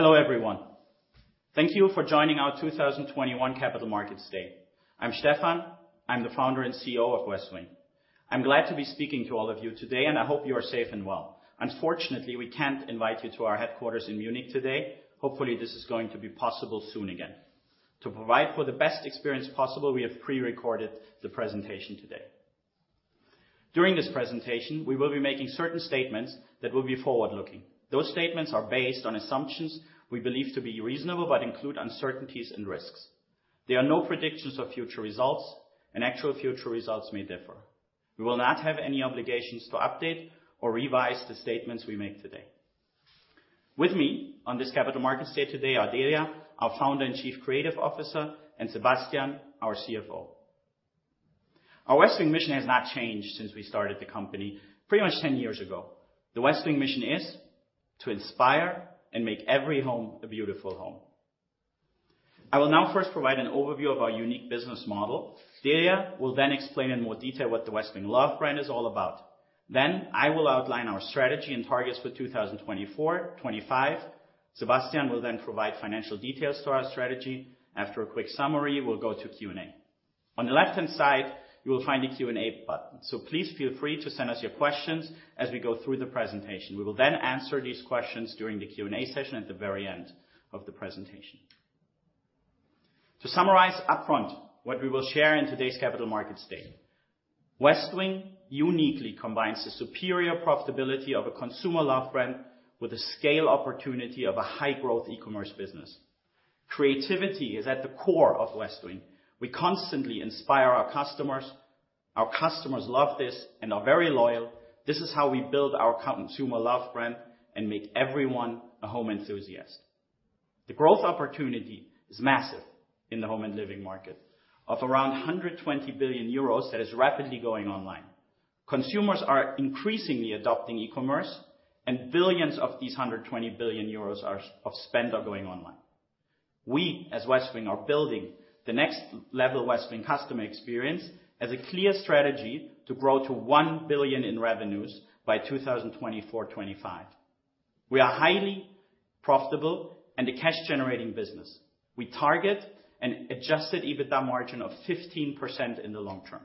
Hello, everyone. Thank you for joining our 2021 Capital Markets Day. I'm Stefan. I'm the Founder and CEO of Westwing. I'm glad to be speaking to all of you today, and I hope you are safe and well. Unfortunately, we can't invite you to our headquarters in Munich today. Hopefully, this is going to be possible soon again. To provide for the best experience possible, we have pre-recorded the presentation today. During this presentation, we will be making certain statements that will be forward-looking. Those statements are based on assumptions we believe to be reasonable but include uncertainties and risks. They are no predictions of future results, and actual future results may differ. We will not have any obligations to update or revise the statements we make today. With me on this Capital Markets Day today are Delia, our founder and Chief Creative Officer, and Sebastian, our CFO. Our Westwing mission has not changed since we started the company pretty much 10 years ago. The Westwing mission is to inspire and make every home a beautiful home. I will now first provide an overview of our unique business model. Delia will then explain in more detail what the Westwing love brand is all about. I will outline our strategy and targets for 2024, 2025. Sebastian will then provide financial details to our strategy. After a quick summary, we'll go to Q&A. On the left-hand side, you will find a Q&A button, so please feel free to send us your questions as we go through the presentation. We will then answer these questions during the Q&A session at the very end of the presentation. To summarize upfront what we will share in today's Capital Markets Day, Westwing uniquely combines the superior profitability of a consumer love brand with the scale opportunity of a high-growth e-commerce business. Creativity is at the core of Westwing. We constantly inspire our customers. Our customers love this and are very loyal. This is how we build our consumer love brand and make everyone a home enthusiast. The growth opportunity is massive in the home and living market of around 120 billion euros that is rapidly going online. Consumers are increasingly adopting e-commerce, and billions of these 120 billion euros of spend are going online. We, as Westwing, are building the next level Westwing customer experience as a clear strategy to grow to 1 billion in revenues by 2024, 2025. We are highly profitable and a cash-generating business. We target an adjusted EBITDA margin of 15% in the long term.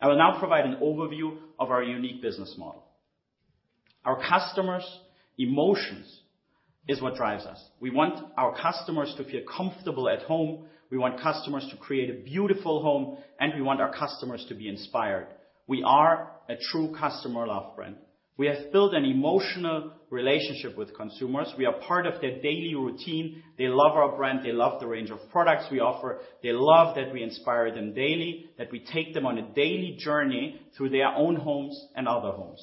I will now provide an overview of our unique business model. Our customers' emotions is what drives us. We want our customers to feel comfortable at home, we want customers to create a beautiful home, and we want our customers to be inspired. We are a true consumer love brand. We have built an emotional relationship with consumers. We are part of their daily routine. They love our brand. They love the range of products we offer. They love that we inspire them daily, that we take them on a daily journey through their own homes and other homes.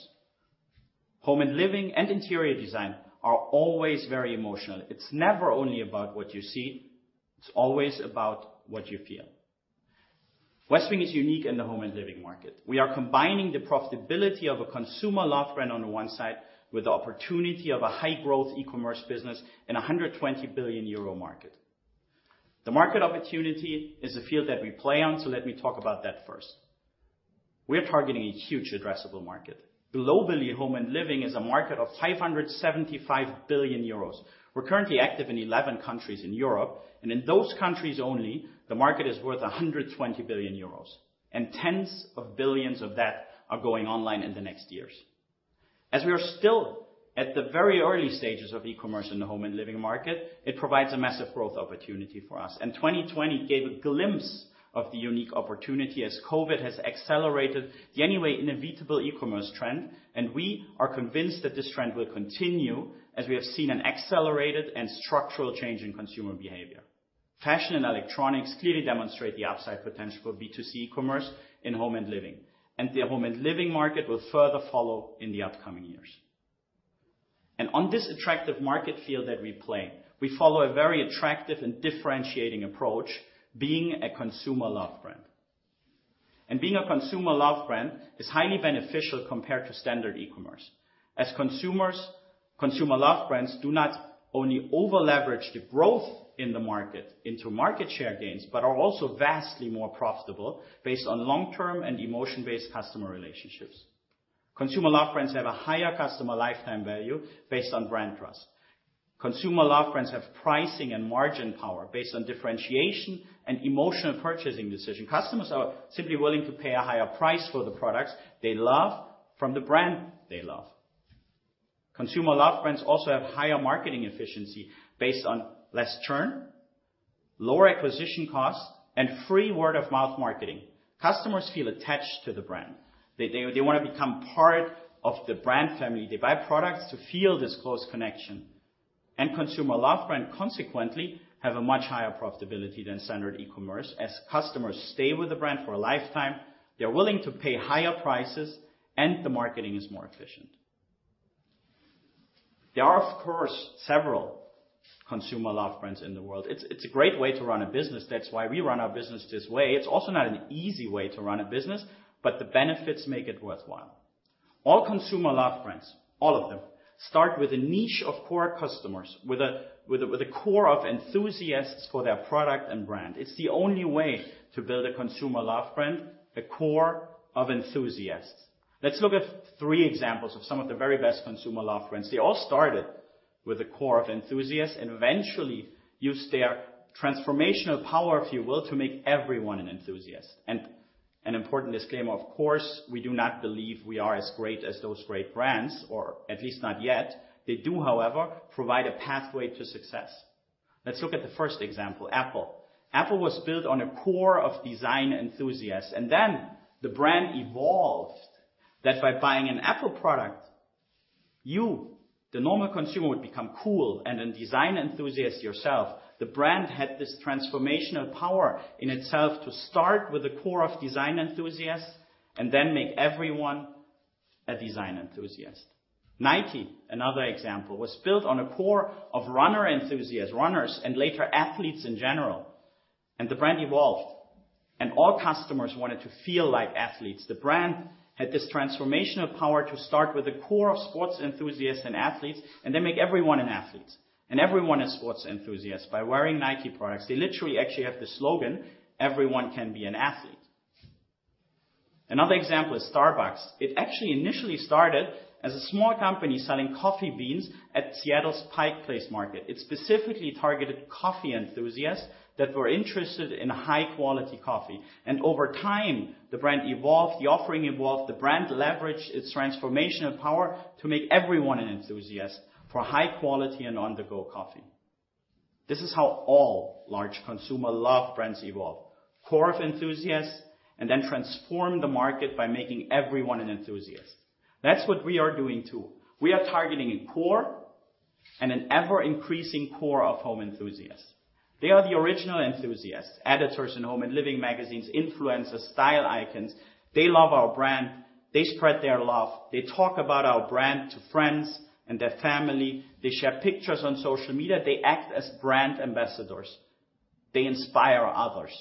Home and living and interior design are always very emotional. It's never only about what you see, it's always about what you feel. Westwing is unique in the home and living market. We are combining the profitability of a consumer love brand on one side with the opportunity of a high-growth e-commerce business in a 120 billion euro market. The market opportunity is a field that we play on, so let me talk about that first. We're targeting a huge addressable market. Globally, home and living is a market of 575 billion euros. We're currently active in 11 countries in Europe, and in those countries only, the market is worth 120 billion euros. Tens of billions of that are going online in the next years. As we are still at the very early stages of e-commerce in the home and living market, it provides a massive growth opportunity for us, and 2020 gave a glimpse of the unique opportunity as COVID has accelerated the anyway inevitable e-commerce trend, and we are convinced that this trend will continue as we have seen an accelerated and structural change in consumer behavior. Fashion and electronics clearly demonstrate the upside potential for B2C commerce in home and living. The home and living market will further follow in the upcoming years. On this attractive market field that we play, we follow a very attractive and differentiating approach, being a consumer love brand. Being a consumer love brand is highly beneficial compared to standard e-commerce, as consumer love brands do not only over-leverage the growth in the market into market share gains but are also vastly more profitable based on long-term and emotion-based customer relationships. Consumer love brands have a higher customer lifetime value based on brand trust. Consumer love brands have pricing and margin power based on differentiation and emotional purchasing decision. Customers are simply willing to pay a higher price for the products they love from the brand they love. Consumer love brands also have higher marketing efficiency based on less churn, lower acquisition costs, and free word-of-mouth marketing. Customers feel attached to the brand. They want to become part of the brand family. They buy products to feel this close connection. Consumer love brand, consequently, have a much higher profitability than standard e-commerce. As customers stay with the brand for a lifetime, they're willing to pay higher prices, and the marketing is more efficient. There are, of course, several consumer love brands in the world. It's a great way to run a business. That's why we run our business this way. It's also not an easy way to run a business, but the benefits make it worthwhile. All consumer love brands, all of them start with a niche of core customers, with a core of enthusiasts for their product and brand. It's the only way to build a consumer love brand, a core of enthusiasts. Let's look at three examples of some of the very best consumer love brands. They all started with a core of enthusiasts, and eventually used their transformational power, if you will, to make everyone an enthusiast. An important disclaimer, of course, we do not believe we are as great as those great brands, or at least not yet. They do, however, provide a pathway to success. Let's look at the first example, Apple. Apple was built on a core of design enthusiasts, and then the brand evolved that by buying an Apple product, you, the normal consumer, would become cool and a design enthusiast yourself. The brand had this transformational power in itself to start with a core of design enthusiasts and then make everyone a design enthusiast. Nike, another example, was built on a core of runner enthusiasts, runners, and later athletes in general. The brand evolved, and all customers wanted to feel like athletes. The brand had this transformational power to start with a core of sports enthusiasts and athletes, and they make everyone an athlete and everyone a sports enthusiast by wearing Nike products. They literally actually have the slogan, "Everyone can be an athlete." Another example is Starbucks. It actually initially started as a small company selling coffee beans at Seattle's Pike Place Market. It specifically targeted coffee enthusiasts that were interested in high-quality coffee. Over time, the brand evolved, the offering evolved, the brand leveraged its transformational power to make everyone an enthusiast for high quality and on-the-go coffee. This is how all large consumer love brands evolve. Core of enthusiasts, and then transform the market by making everyone an enthusiast. That's what we are doing too. We are targeting a core and an ever-increasing core of home enthusiasts. They are the original enthusiasts, editors in home and living magazines, influencers, style icons. They love our brand. They spread their love. They talk about our brand to friends and their family. They share pictures on social media. They act as brand ambassadors. They inspire others.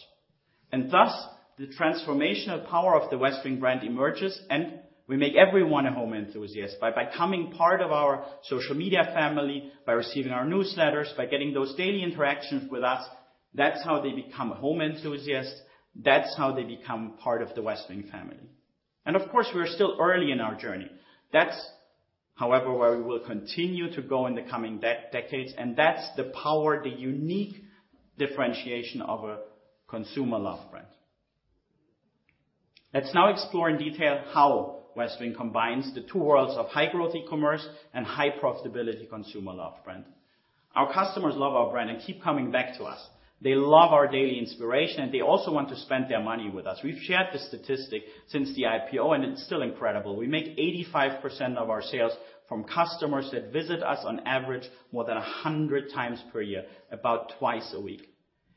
Thus, the transformational power of the Westwing brand emerges and we make everyone a home enthusiast. By becoming part of our social media family, by receiving our newsletters, by getting those daily interactions with us, that's how they become a home enthusiast, that's how they become part of the Westwing family. Of course, we are still early in our journey. That's, however, where we will continue to go in the coming decades, and that's the power, the unique differentiation of a consumer love brand. Let's now explore in detail how Westwing combines the two worlds of high-growth e-commerce and high profitability consumer love brand. Our customers love our brand and keep coming back to us. They love our daily inspiration, and they also want to spend their money with us. We've shared this statistic since the IPO, and it's still incredible. We make 85% of our sales from customers that visit us on average more than 100 times per year, about twice a week.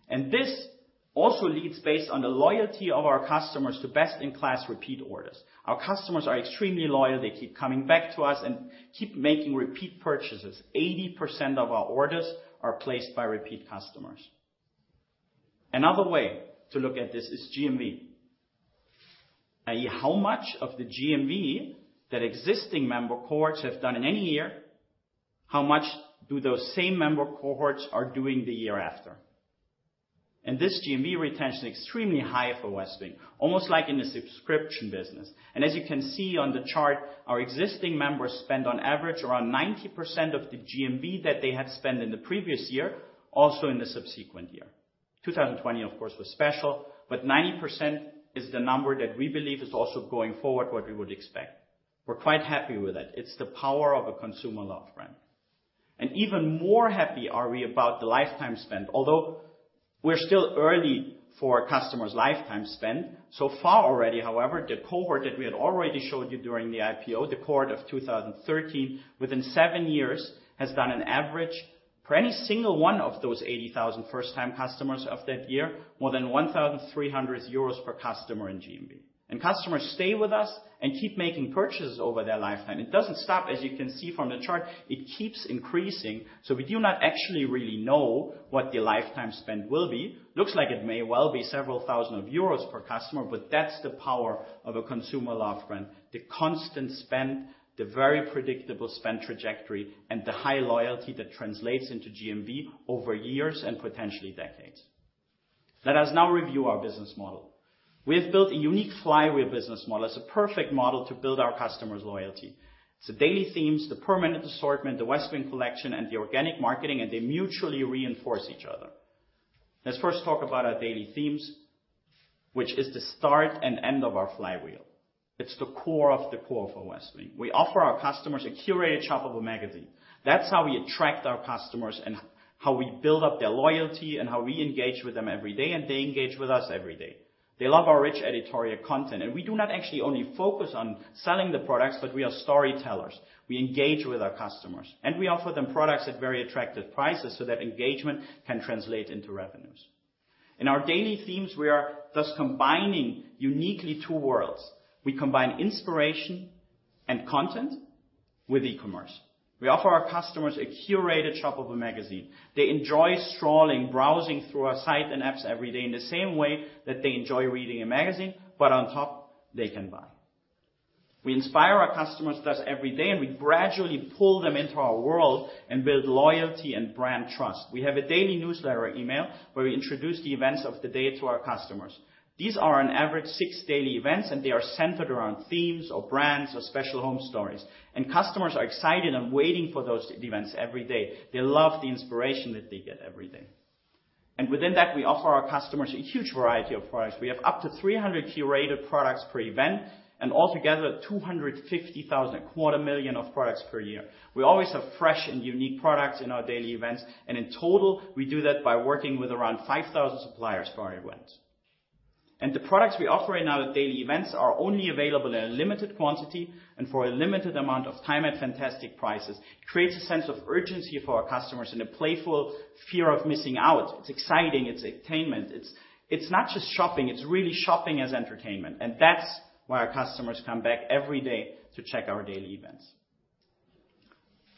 This also leads based on the loyalty of our customers to best-in-class repeat orders. Our customers are extremely loyal. They keep coming back to us and keep making repeat purchases. 80% of our orders are placed by repeat customers. Another way to look at this is GMV. How much of the GMV that existing member cohorts have done in any year, how much do those same member cohorts are doing the year after? This GMV retention extremely high for Westwing, almost like in a subscription business. As you can see on the chart, our existing members spend on average around 90% of the GMV that they had spent in the previous year, also in the subsequent year. 2020, of course, was special, but 90% is the number that we believe is also going forward, what we would expect. We're quite happy with it. It's the power of a consumer love brand. Even more happy are we about the lifetime spend. Although we're still early for a customer's lifetime spend, so far already, however, the cohort that we had already showed you during the IPO, the cohort of 2013, within seven years has done an average for any single one of those 80,000 first-time customers of that year, more than 1,300 euros per customer in GMV. Customers stay with us and keep making purchases over their lifetime. It doesn't stop. As you can see from the chart, it keeps increasing. We do not actually really know what the lifetime spend will be. Looks like it may well be several thousand EUR per customer, but that's the power of a consumer love brand. The constant spend, the very predictable spend trajectory, and the high loyalty that translates into GMV over years and potentially decades. Let us now review our business model. We have built a unique flywheel business model as a perfect model to build our customers' loyalty. It's the Daily Themes, the permanent assortment, the Westwing Collection, and the organic marketing, and they mutually reinforce each other. Let's first talk about our Daily Themes, which is the start and end of our flywheel. It's the core of the core for Westwing. We offer our customers a curated shoppable magazine. That's how we attract our customers and how we build up their loyalty and how we engage with them every day, and they engage with us every day. They love our rich editorial content, and we do not actually only focus on selling the products, but we are storytellers. We engage with our customers, and we offer them products at very attractive prices so that engagement can translate into revenues. In our Daily Themes, we are thus combining uniquely two worlds. We combine inspiration and content with e-commerce. We offer our customers a curated shoppable magazine. They enjoy strolling, browsing through our site and apps every day in the same way that they enjoy reading a magazine, but on top they can buy. We inspire our customers thus every day, and we gradually pull them into our world and build loyalty and brand trust. We have a daily newsletter email where we introduce the events of the day to our customers. These are on average six daily events, and they are centered around themes or brands or special home stories. Customers are excited and waiting for those events every day. They love the inspiration that they get every day. Within that, we offer our customers a huge variety of products. We have up to 300 curated products per event, and altogether 250,000, a quarter million of products per year. We always have fresh and unique products in our Daily Themes, in total, we do that by working with around 5,000 suppliers for our Daily Themes. The products we offer in our Daily Themes are only available in a limited quantity and for a limited amount of time at fantastic prices. It creates a sense of urgency for our customers and a playful fear of missing out. It's exciting, it's entertainment. It's not just shopping, it's really shopping as entertainment. That's why our customers come back every day to check our Daily Themes.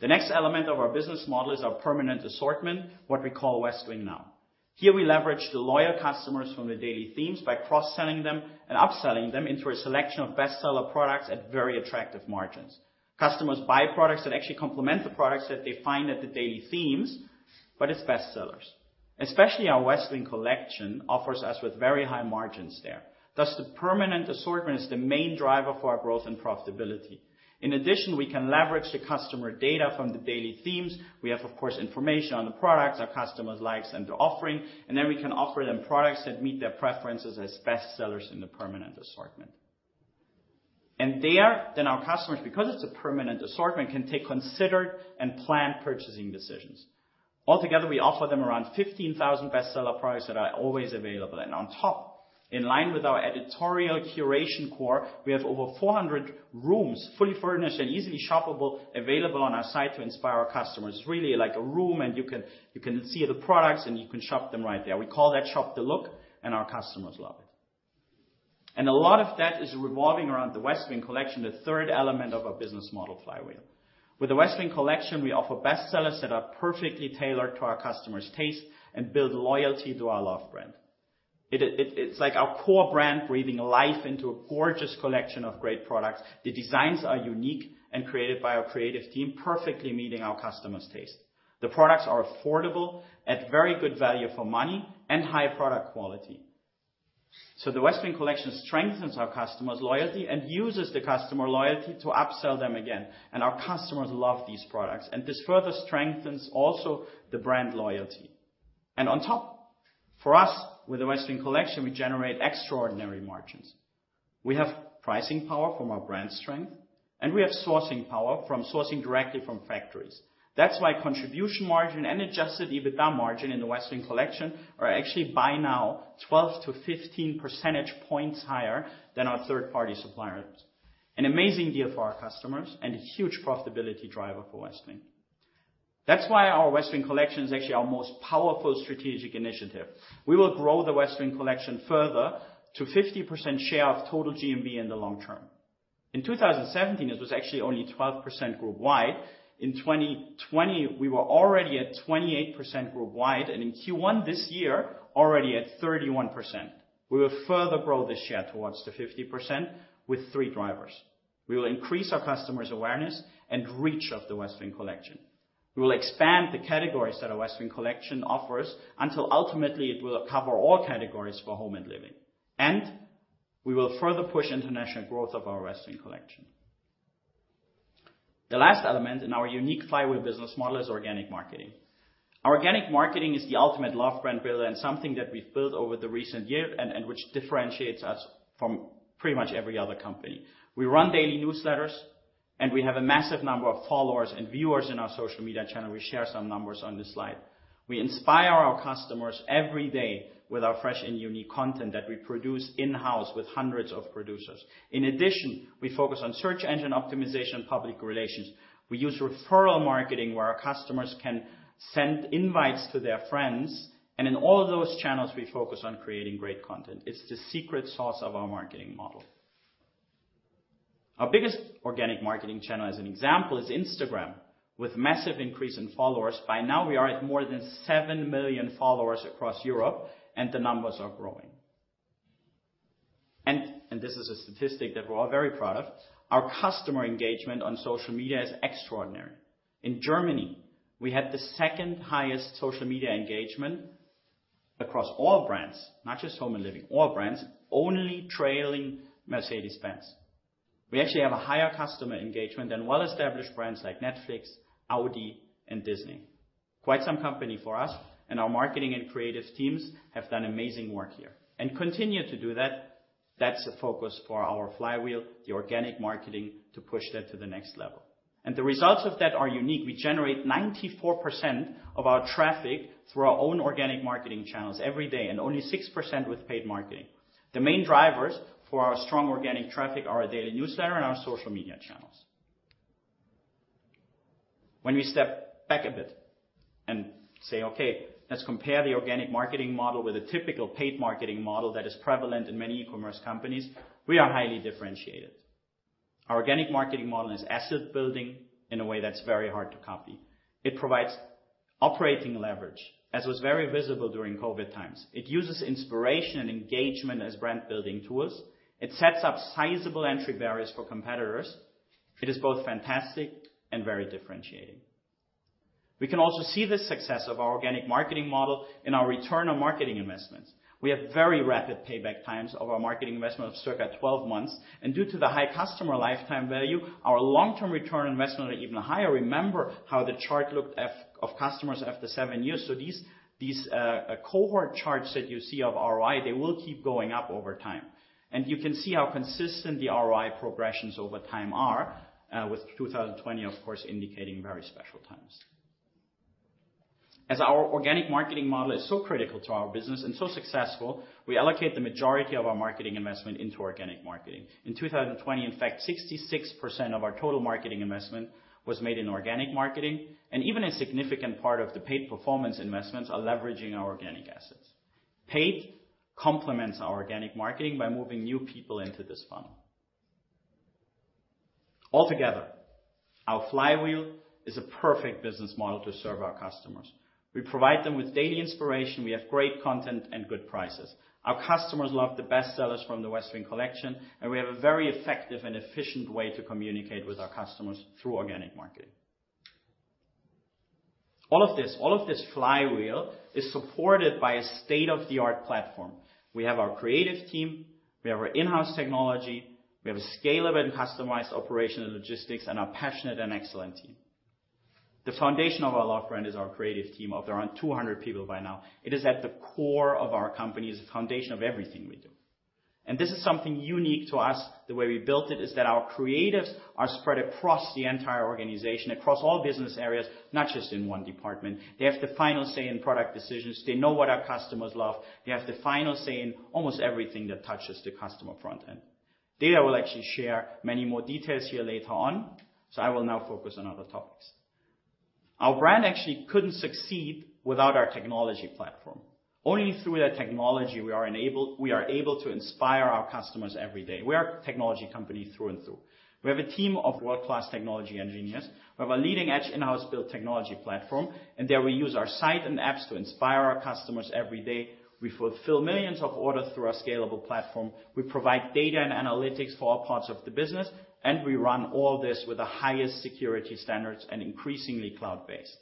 The next element of our business model is our permanent assortment, what we call WestwingNow. Here we leverage the loyal customers from the Daily Themes by cross-selling them and upselling them into a selection of bestseller products at very attractive margins. Customers buy products that actually complement the products that they find at the Daily Themes, but as bestsellers. Especially our Westwing Collection offers us with very high margins there. Thus, the permanent assortment is the main driver for our growth and profitability. In addition, we can leverage the customer data from the Daily Themes. We have, of course, information on the products our customers likes and the offering, then we can offer them products that meet their preferences as bestsellers in the permanent assortment. There, then our customers, because it's a permanent assortment, can take considered and planned purchasing decisions. Altogether, we offer them around 15,000 bestseller products that are always available. On top, in line with our editorial curation core, we have over 400 rooms, fully furnished and easily shoppable, available on our site to inspire our customers. Really like a room and you can see the products and you can Shop the Look right there. We call that Shop the Look. Our customers love it. A lot of that is revolving around the Westwing Collection, the third element of our business model flywheel. With the Westwing Collection, we offer bestsellers that are perfectly tailored to our customers' taste and build loyalty to our love brand. It's like our core brand breathing life into a gorgeous collection of great products. The designs are unique and created by our creative team, perfectly meeting our customers' taste. The products are affordable, at very good value for money, and high product quality. The Westwing Collection strengthens our customers' loyalty and uses the customer loyalty to upsell them again. Our customers love these products. This further strengthens also the brand loyalty. On top, for us, with the Westwing Collection, we generate extraordinary margins. We have pricing power from our brand strength, and we have sourcing power from sourcing directly from factories. That is why contribution margin and adjusted EBITDA margin in the Westwing Collection are actually by now 12-15 percentage points higher than our third-party suppliers. An amazing deal for our customers and a huge profitability driver for Westwing. That is why our Westwing Collection is actually our most powerful strategic initiative. We will grow the Westwing Collection further to 50% share of total GMV in the long term. In 2017, it was actually only 12% worldwide. In 2020, we were already at 28% worldwide, and in Q1 this year, already at 31%. We will further grow this share towards the 50% with three drivers. We will increase our customers' awareness and reach of the Westwing Collection. We will expand the categories that our Westwing Collection offers until ultimately it will cover all categories for home and living. We will further push international growth of our Westwing Collection. The last element in our unique flywheel business model is organic marketing. Our organic marketing is the ultimate love brand builder and something that we've built over the recent year and which differentiates us from pretty much every other company. We run daily newsletters, and we have a massive number of followers and viewers in our social media channel. We share some numbers on this slide. We inspire our customers every day with our fresh and unique content that we produce in-house with hundreds of producers. In addition, we focus on search engine optimization, public relations. We use referral marketing where our customers can send invites to their friends. In all of those channels, we focus on creating great content. It's the secret sauce of our marketing model. Our biggest organic marketing channel, as an example, is Instagram, with massive increase in followers. By now we are at more than 7 million followers across Europe, the numbers are growing. This is a statistic that we're all very proud of. Our customer engagement on social media is extraordinary. In Germany, we had the second highest social media engagement across all brands, not just home and living, all brands, only trailing Mercedes-Benz. We actually have a higher customer engagement than well-established brands like Netflix, Audi, and Disney. Quite some company for us and our marketing and creative teams have done amazing work here and continue to do that. That's the focus for our flywheel, the organic marketing, to push that to the next level. The results of that are unique. We generate 94% of our traffic through our own organic marketing channels every day, and only 6% with paid marketing. The main drivers for our strong organic traffic are our daily newsletter and our social media channels. When we step back a bit and say, "Okay, let's compare the organic marketing model with a typical paid marketing model that is prevalent in many e-commerce companies," we are highly differentiated. Our organic marketing model is asset building in a way that's very hard to copy. It provides operating leverage, as was very visible during COVID times. It uses inspiration and engagement as brand-building tools. It sets up sizable entry barriers for competitors. It is both fantastic and very differentiating. We can also see the success of our organic marketing model in our return on marketing investments. We have very rapid payback times of our marketing investment of circa 12 months. Due to the high customer lifetime value, our long-term ROI are even higher. Remember how the chart looked of customers after seven years. These cohort charts that you see of ROI, they will keep going up over time. You can see how consistent the ROI progressions over time are, with 2020, of course, indicating very special times. As our organic marketing model is so critical to our business and so successful, we allocate the majority of our marketing investment into organic marketing. In 2020, in fact, 66% of our total marketing investment was made in organic marketing. Even a significant part of the paid performance investments are leveraging our organic assets. Paid complements our organic marketing by moving new people into this funnel. Altogether, our flywheel is a perfect business model to serve our customers. We provide them with daily inspiration. We have great content and good prices. Our customers love the best sellers from the Westwing Collection, and we have a very effective and efficient way to communicate with our customers through organic marketing. All of this flywheel is supported by a state-of-the-art platform. We have our creative team. We have our in-house technology. We have a scalable and customized operational logistics and our passionate and excellent team. The foundation of our love brand is our creative team of around 200 people by now. It is at the core of our company, is the foundation of everything we do. This is something unique to us. The way we built it is that our creatives are spread across the entire organization, across all business areas, not just in one department. They have the final say in product decisions. They know what our customers love. They have the final say in almost everything that touches the customer front end. Delia will actually share many more details here later on, so I will now focus on other topics. Our brand actually couldn't succeed without our technology platform. Only through that technology we are able to inspire our customers every day. We are a technology company through and through. We have a team of world-class technology engineers. We have a leading-edge in-house built technology platform, and there we use our site and apps to inspire our customers every day. We fulfill millions of orders through our scalable platform. We provide data and analytics for all parts of the business, and we run all this with the highest security standards and increasingly cloud-based.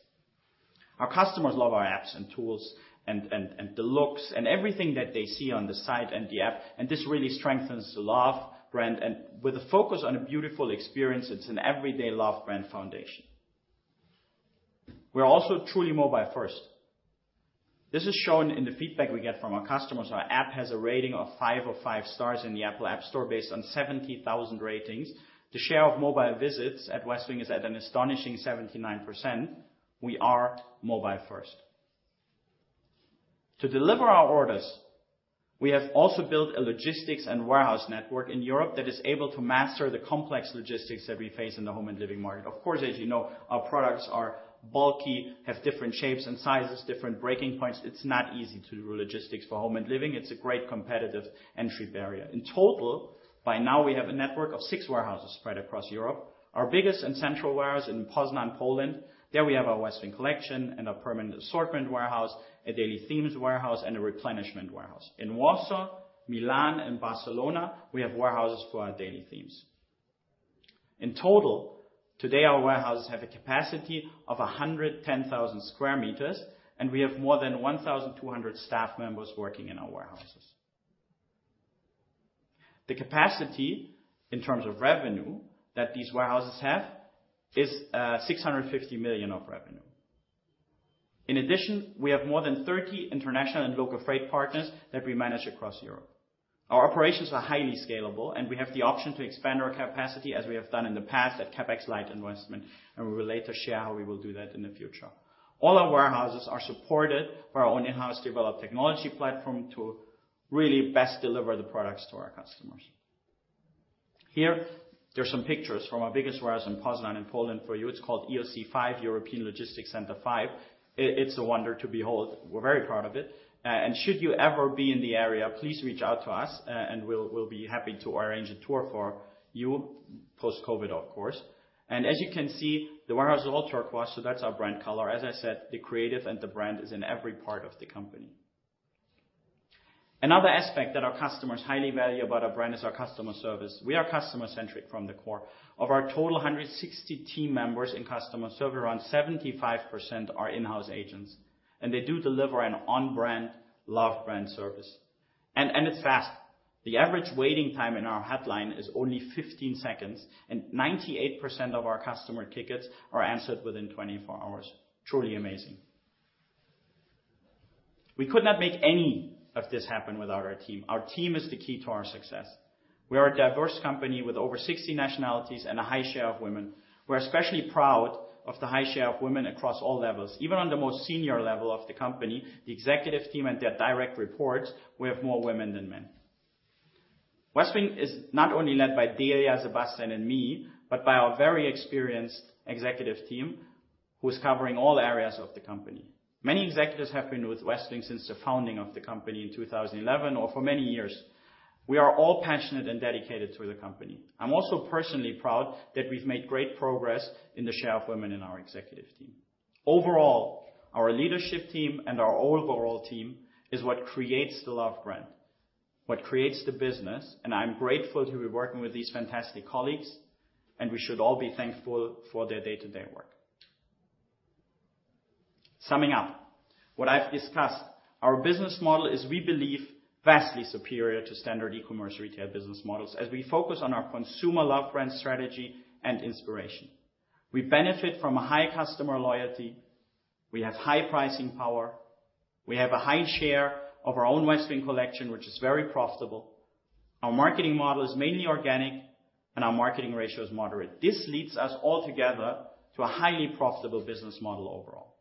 Our customers love our apps and tools and the looks and everything that they see on the site and the app. This really strengthens the love brand with a focus on a beautiful experience. It's an everyday love brand foundation. We're also truly mobile first. This is shown in the feedback we get from our customers. Our app has a rating of five of five stars in the Apple App Store based on 70,000 ratings. The share of mobile visits at Westwing is at an astonishing 79%. We are mobile first. To deliver our orders, we have also built a logistics and warehouse network in Europe that is able to master the complex logistics that we face in the home and living market. Of course, as you know, our products are bulky, have different shapes and sizes, different breaking points. It's not easy to do logistics for home and living. It's a great competitive entry barrier. In total, by now, we have a network of six warehouses spread across Europe. Our biggest and central warehouse in Poznań, Poland. There we have our Westwing Collection and our permanent assortment warehouse, a Daily Themes warehouse, and a replenishment warehouse. In Warsaw, Milan, and Barcelona, we have warehouses for our Daily Themes. In total, today, our warehouses have a capacity of 110,000 sq m, and we have more than 1,200 staff members working in our warehouses. The capacity in terms of revenue that these warehouses have is 650 million of revenue. In addition, we have more than 30 international and local freight partners that we manage across Europe. Our operations are highly scalable, and we have the option to expand our capacity as we have done in the past at CapEx light investment, and we will later share how we will do that in the future. All our warehouses are supported by our own in-house developed technology platform to really best deliver the products to our customers. Here, there's some pictures from our biggest warehouse in Poznań in Poland for you. It's called ELC5, European Logistics Center 5. It's a wonder to behold. We're very proud of it. Should you ever be in the area, please reach out to us and we'll be happy to arrange a tour for you, post-COVID, of course. As you can see, the warehouse is all turquoise, so that's our brand color. As I said, the creative and the brand is in every part of the company. Another aspect that our customers highly value about our brand is our customer service. We are customer-centric from the core. Of our total 160 team members in customer service, around 75% are in-house agents, and they do deliver an on-brand love brand service. It's fast. The average waiting time in our hotline is only 15 seconds, and 98% of our customer tickets are answered within 24 hours. Truly amazing. We could not make any of this happen without our team. Our team is the key to our success. We are a diverse company with over 60 nationalities and a high share of women. We're especially proud of the high share of women across all levels, even on the most senior level of the company, the executive team and their direct reports, we have more women than men. Westwing is not only led by Delia, Sebastian, and me, but by our very experienced executive team who is covering all areas of the company. Many executives have been with Westwing since the founding of the company in 2011, or for many years. We are all passionate and dedicated to the company. I'm also personally proud that we've made great progress in the share of women in our executive team. Overall, our leadership team and our overall team is what creates the love brand, what creates the business, and I'm grateful to be working with these fantastic colleagues, and we should all be thankful for their day-to-day work. Summing up what I've discussed, our business model is, we believe, vastly superior to standard e-commerce retail business models, as we focus on our consumer love brand strategy and inspiration. We benefit from a high customer loyalty, we have high pricing power, we have a high share of our own Westwing Collection, which is very profitable. Our marketing model is mainly organic, and our marketing ratio is moderate. This leads us all together to a highly profitable business model overall.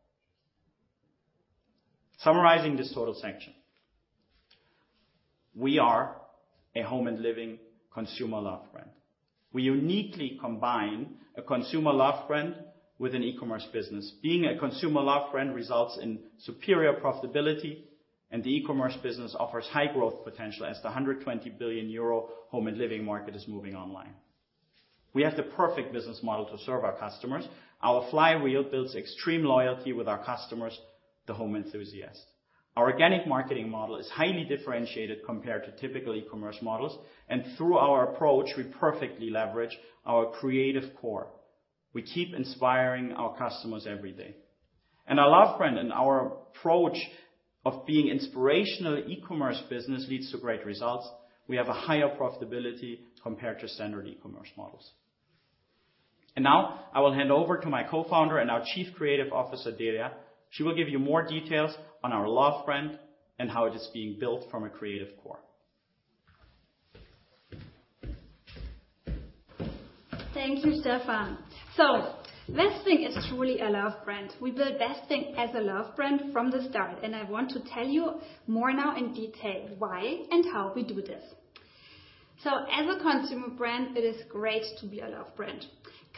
Summarizing this total section. We are a home and living consumer love brand. We uniquely combine a consumer love brand with an e-commerce business. Being a consumer love brand results in superior profitability, and the e-commerce business offers high growth potential as the 120 billion euro home and living market is moving online. We have the perfect business model to serve our customers. Our flywheel builds extreme loyalty with our customers, the home enthusiast. Our organic marketing model is highly differentiated compared to typical e-commerce models, and through our approach, we perfectly leverage our creative core. We keep inspiring our customers every day. Our love brand and our approach of being inspirational e-commerce business leads to great results. We have a higher profitability compared to standard e-commerce models. Now I will hand over to my co-founder and our Chief Creative Officer, Delia. She will give you more details on our love brand and how it is being built from a creative core. Thank you, Stefan. Westwing is truly a love brand. We build Westwing as a love brand from the start, and I want to tell you more now in detail why and how we do this. As a consumer brand, it is great to be a love brand.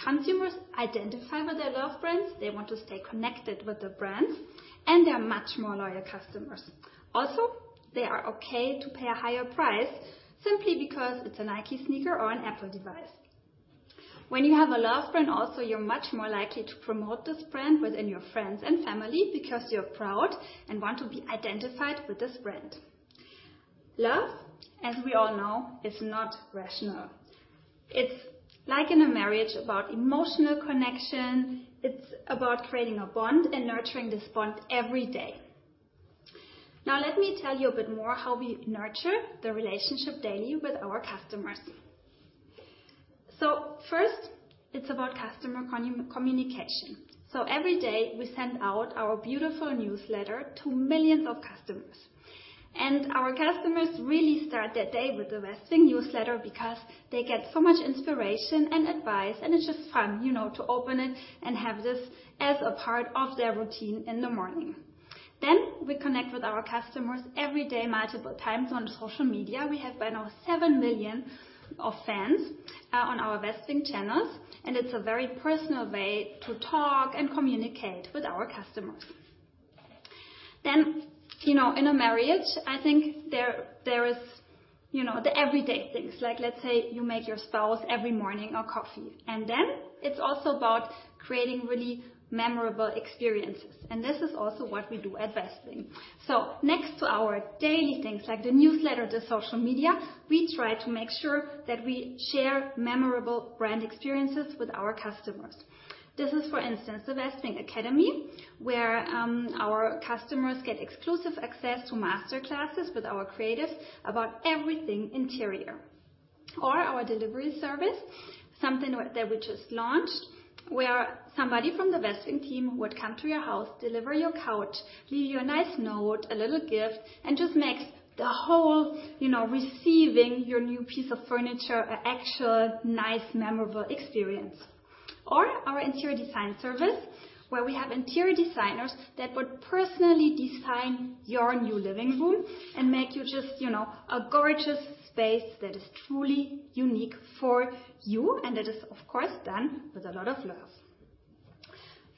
Consumers identify with their love brands, they want to stay connected with the brands, and they're much more loyal customers. Also, they are okay to pay a higher price simply because it's a Nike sneaker or an Apple device. When you have a love brand also, you're much more likely to promote this brand within your friends and family because you're proud and want to be identified with this brand. Love, as we all know, is not rational. It's like in a marriage about emotional connection, it's about creating a bond and nurturing this bond every day. Let me tell you a bit more how we nurture the relationship daily with our customers. First, it's about customer communication. Every day, we send out our beautiful newsletter to millions of customers. Our customers really start their day with the Westwing newsletter because they get so much inspiration and advice, and it's just fun to open it and have this as a part of their routine in the morning. We connect with our customers every day multiple times on social media. We have by now 7 million of fans on our Westwing channels, it's a very personal way to talk and communicate with our customers. In a marriage, I think there is the everyday things, like let's say you make your spouse every morning a coffee. It's also about creating really memorable experiences. This is also what we do at Westwing. Next to our daily things like the newsletter, the social media, we try to make sure that we share memorable brand experiences with our customers. This is, for instance, the Westwing Academy, where our customers get exclusive access to master classes with our creatives about everything interior. Our Delivery Service, something that we just launched, where somebody from the Westwing team would come to your house, deliver your couch, leave you a nice note, a little gift, and just makes the whole receiving your new piece of furniture an actual, nice, memorable experience. Our Interior Design Service, where we have interior designers that would personally design your new living room and make you just a gorgeous space that is truly unique for you, and that is, of course, done with a lot of love.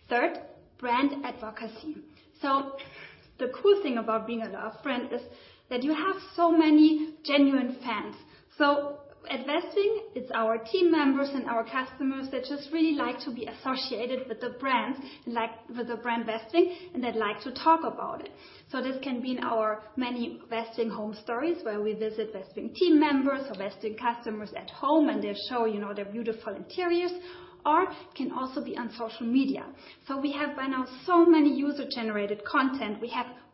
Third, brand advocacy. The cool thing about being a love brand is that you have so many genuine fans. At Westwing, it's our team members and our customers that just really like to be associated with the brand Westwing, and they like to talk about it. This can be in our many Westwing Home Stories where we visit Westwing team members or Westwing customers at home, and they show their beautiful interiors, or it can also be on social media. We have by now so many user-generated content.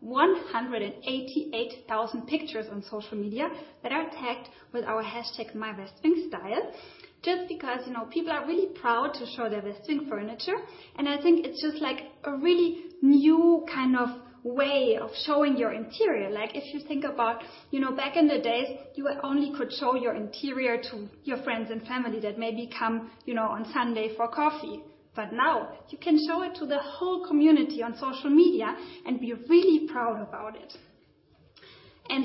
We have 188,000 pictures on social media that are tagged with our hashtag My Westwing Style, just because people are really proud to show their Westwing furniture, and I think it's just a really new kind of way of showing your interior. If you think about back in the day, you only could show your interior to your friends and family that maybe come on Sunday for coffee. Now you can show it to the whole community on social media and be really proud about it.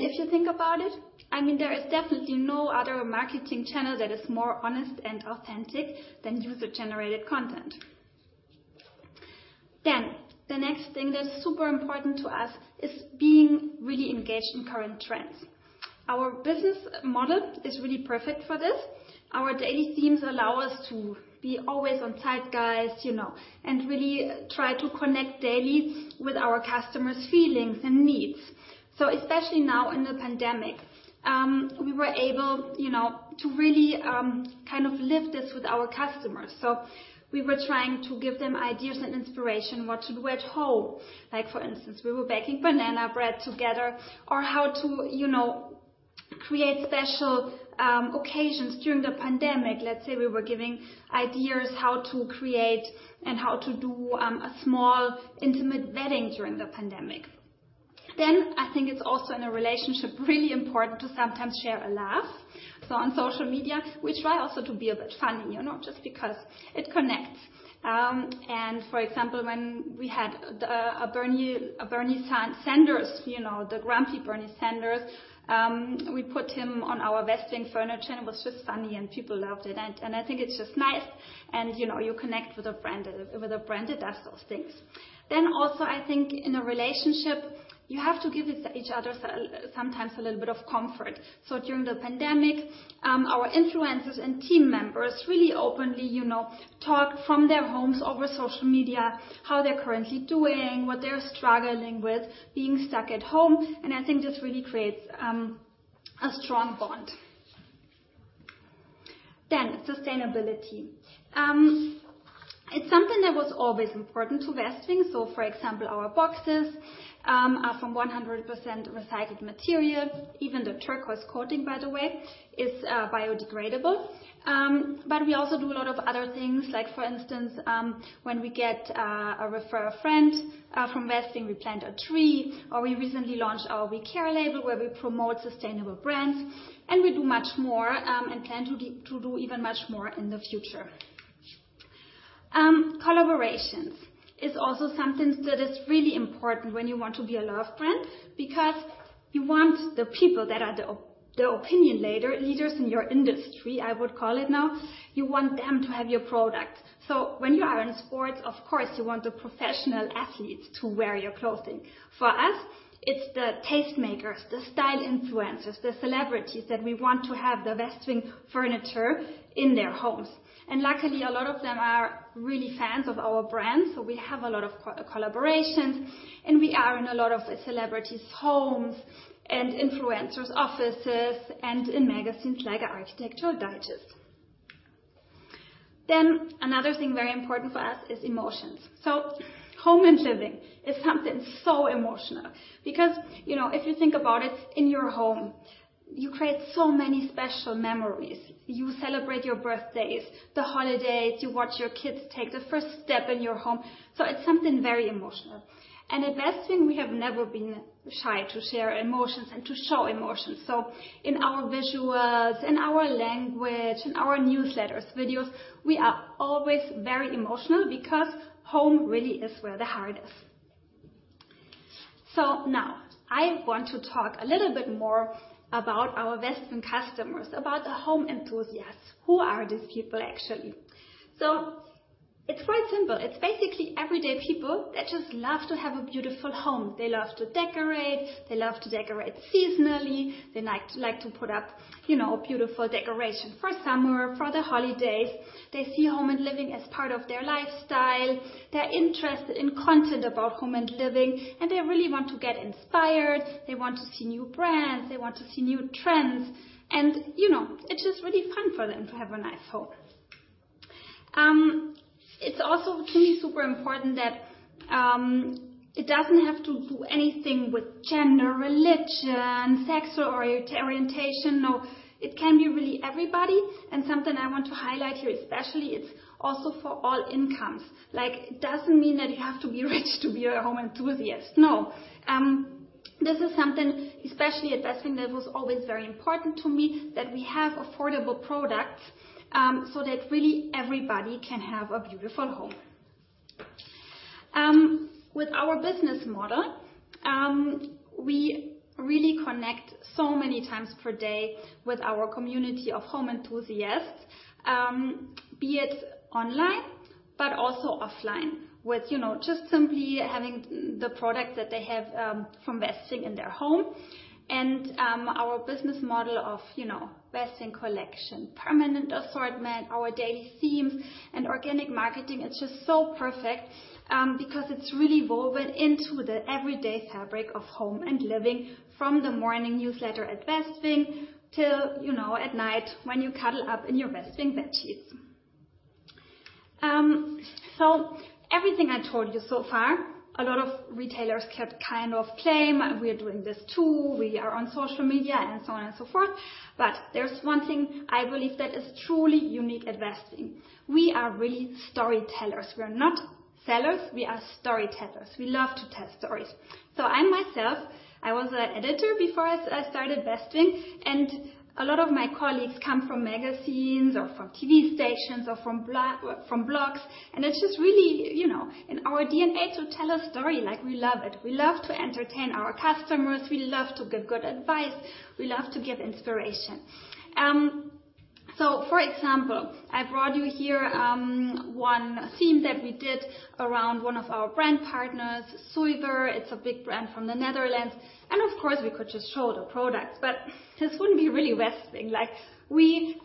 If you think about it, there is definitely no other marketing channel that is more honest and authentic than user-generated content. The next thing that is super important to us is being really engaged in current trends. Our business model is really perfect for this. Our Daily Themes allow us to be always on top guys, and really try to connect daily with our customers' feelings and needs. Especially now in the pandemic, we were able to really live this with our customers. We were trying to give them ideas and inspiration on what to do at home. We were baking banana bread together or how to create special occasions during the pandemic. Let's say we were giving ideas how to create and how to do a small, intimate wedding during the pandemic. I think it's also in a relationship, really important to sometimes share a laugh. On social media, we try also to be a bit funny, just because it connects. For example, when we had the grumpy Bernie Sanders, we put him on our Westwing furniture, and it was just funny, and people loved it. I think it's just nice, and you connect with a brand that does those things. Also I think in a relationship, you have to give each other sometimes a little bit of comfort. During the pandemic, our influencers and team members really openly talked from their homes over social media, how they're currently doing, what they're struggling with, being stuck at home, and I think this really creates a strong bond. Sustainability. It's something that was always important to Westwing. For example, our boxes are from 100% recycled material. Even the turquoise coating, by the way, is biodegradable. We also do a lot of other things. Like, for instance, when we get a refer a friend from Westwing, we plant a tree, or we recently launched our WeCare label, where we promote sustainable brands, and we do much more, and plan to do even much more in the future. Collaborations is also something that is really important when you want to be a love brand because you want the people that are the opinion leaders in your industry, I would call it now, you want them to have your product. When you are in sports, of course, you want the professional athletes to wear your clothing. For us, it's the tastemakers, the style influencers, the celebrities that we want to have the Westwing furniture in their homes. Luckily, a lot of them are really fans of our brand, so we have a lot of collaborations, and we are in a lot of celebrities' homes and influencers' offices and in magazines like Architectural Digest. Another thing very important for us is emotions. Home and living is something so emotional because if you think about it, in your home, you create so many special memories. You celebrate your birthdays, the holidays, you watch your kids take the first step in your home. It's something very emotional. At Westwing we have never been shy to share emotions and to show emotions. In our visuals, in our language, in our newsletters, videos, we are always very emotional because home really is where the heart is. Now I want to talk a little bit more about our Westwing customers, about the home enthusiasts. Who are these people actually? It's quite simple. It's basically everyday people that just love to have a beautiful home. They love to decorate, they love to decorate seasonally, they like to put up beautiful decoration for summer, for the holidays. They see home and living as part of their lifestyle. They're interested in content about home and living, and they really want to get inspired, they want to see new brands, they want to see new trends, and it's just really fun for them to have a nice home. It's also really super important that it doesn't have to do anything with gender, religion, sexual orientation. No. It can be really everybody, and something I want to highlight here especially, it's also for all incomes. It doesn't mean that you have to be rich to be a home enthusiast. No. This is something, especially at Westwing, that was always very important to me that we have affordable products, so that really everybody can have a beautiful home. With our business model, we really connect so many times per day with our community of home enthusiasts, be it online, but also offline with just simply having the product that they have from Westwing in their home. Our business model of Westwing Collection, permanent assortment, our Daily Themes, and organic marketing, it's just so perfect because it's really woven into the everyday fabric of home and living, from the morning newsletter at Westwing till at night when you cuddle up in your Westwing bedsheets. Everything I told you so far, a lot of retailers could claim, "We are doing this too. We are on social media," and so on and so forth, but there's one thing I believe that is truly unique at Westwing. We are really storytellers. We're not sellers. We are storytellers. We love to tell stories. I myself, I was an editor before I started Westwing, and a lot of my colleagues come from magazines or from TV stations or from blogs. It's just really in our DNA to tell a story. We love it. We love to entertain our customers. We love to give good advice. We love to give inspiration. For example, I brought you here one theme that we did around one of our brand partners, Zuiver. It's a big brand from the Netherlands, and of course, we could just show the products, but this wouldn't be really Westwing. We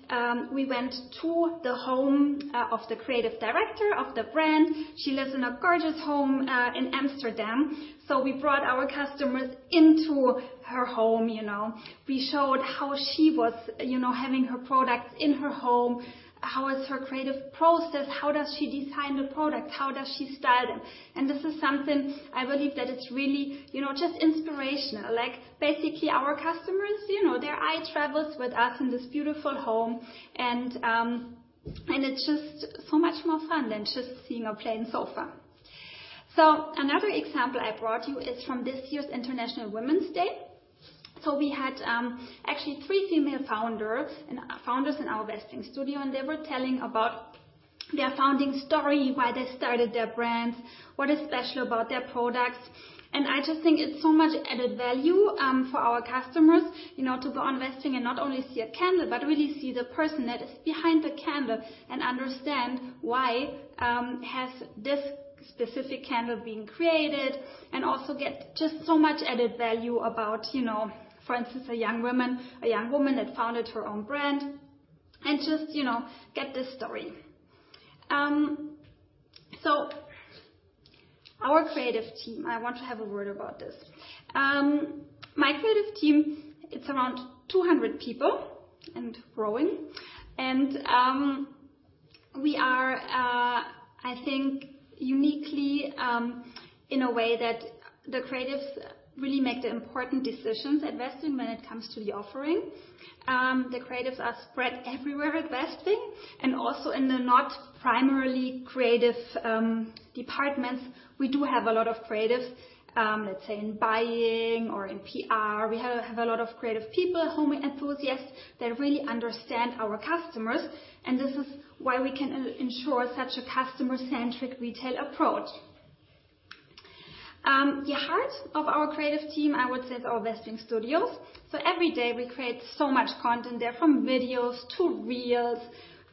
went to the home of the creative director of the brand. She lives in a gorgeous home in Amsterdam. We brought our customers into her home. We showed how she was having her products in her home. How is her creative process, how does she design the product? How does she style them? This is something I believe that it's really just inspirational. Basically, our customers, their eye travels with us in this beautiful home, and it's just so much more fun than just seeing a plain sofa. Another example I brought you is from this year's International Women's Day. We had actually three female founders in our Westwing Studio, and they were telling about their founding story, why they started their brands, what is special about their products. I just think it's so much added value for our customers, to go on Westwing and not only see a candle, but really see the person that is behind the candle and understand why has this specific candle been created and also get just so much added value about, for instance, a young woman that founded her own brand and just get this story. Our creative team, I want to have a word about this. My creative team, it's around 200 people and growing. We are, I think, uniquely, in a way that the creatives really make the important decisions at Westwing when it comes to the offering. The creatives are spread everywhere at Westwing and also in the not primarily creative departments. We do have a lot of creatives, let's say in buying or in PR. We have a lot of creative people, home enthusiasts that really understand our customers, and this is why we can ensure such a customer-centric retail approach. The heart of our creative team, I would say, is our Westwing Studio. Every day we create so much content there, from videos to reels,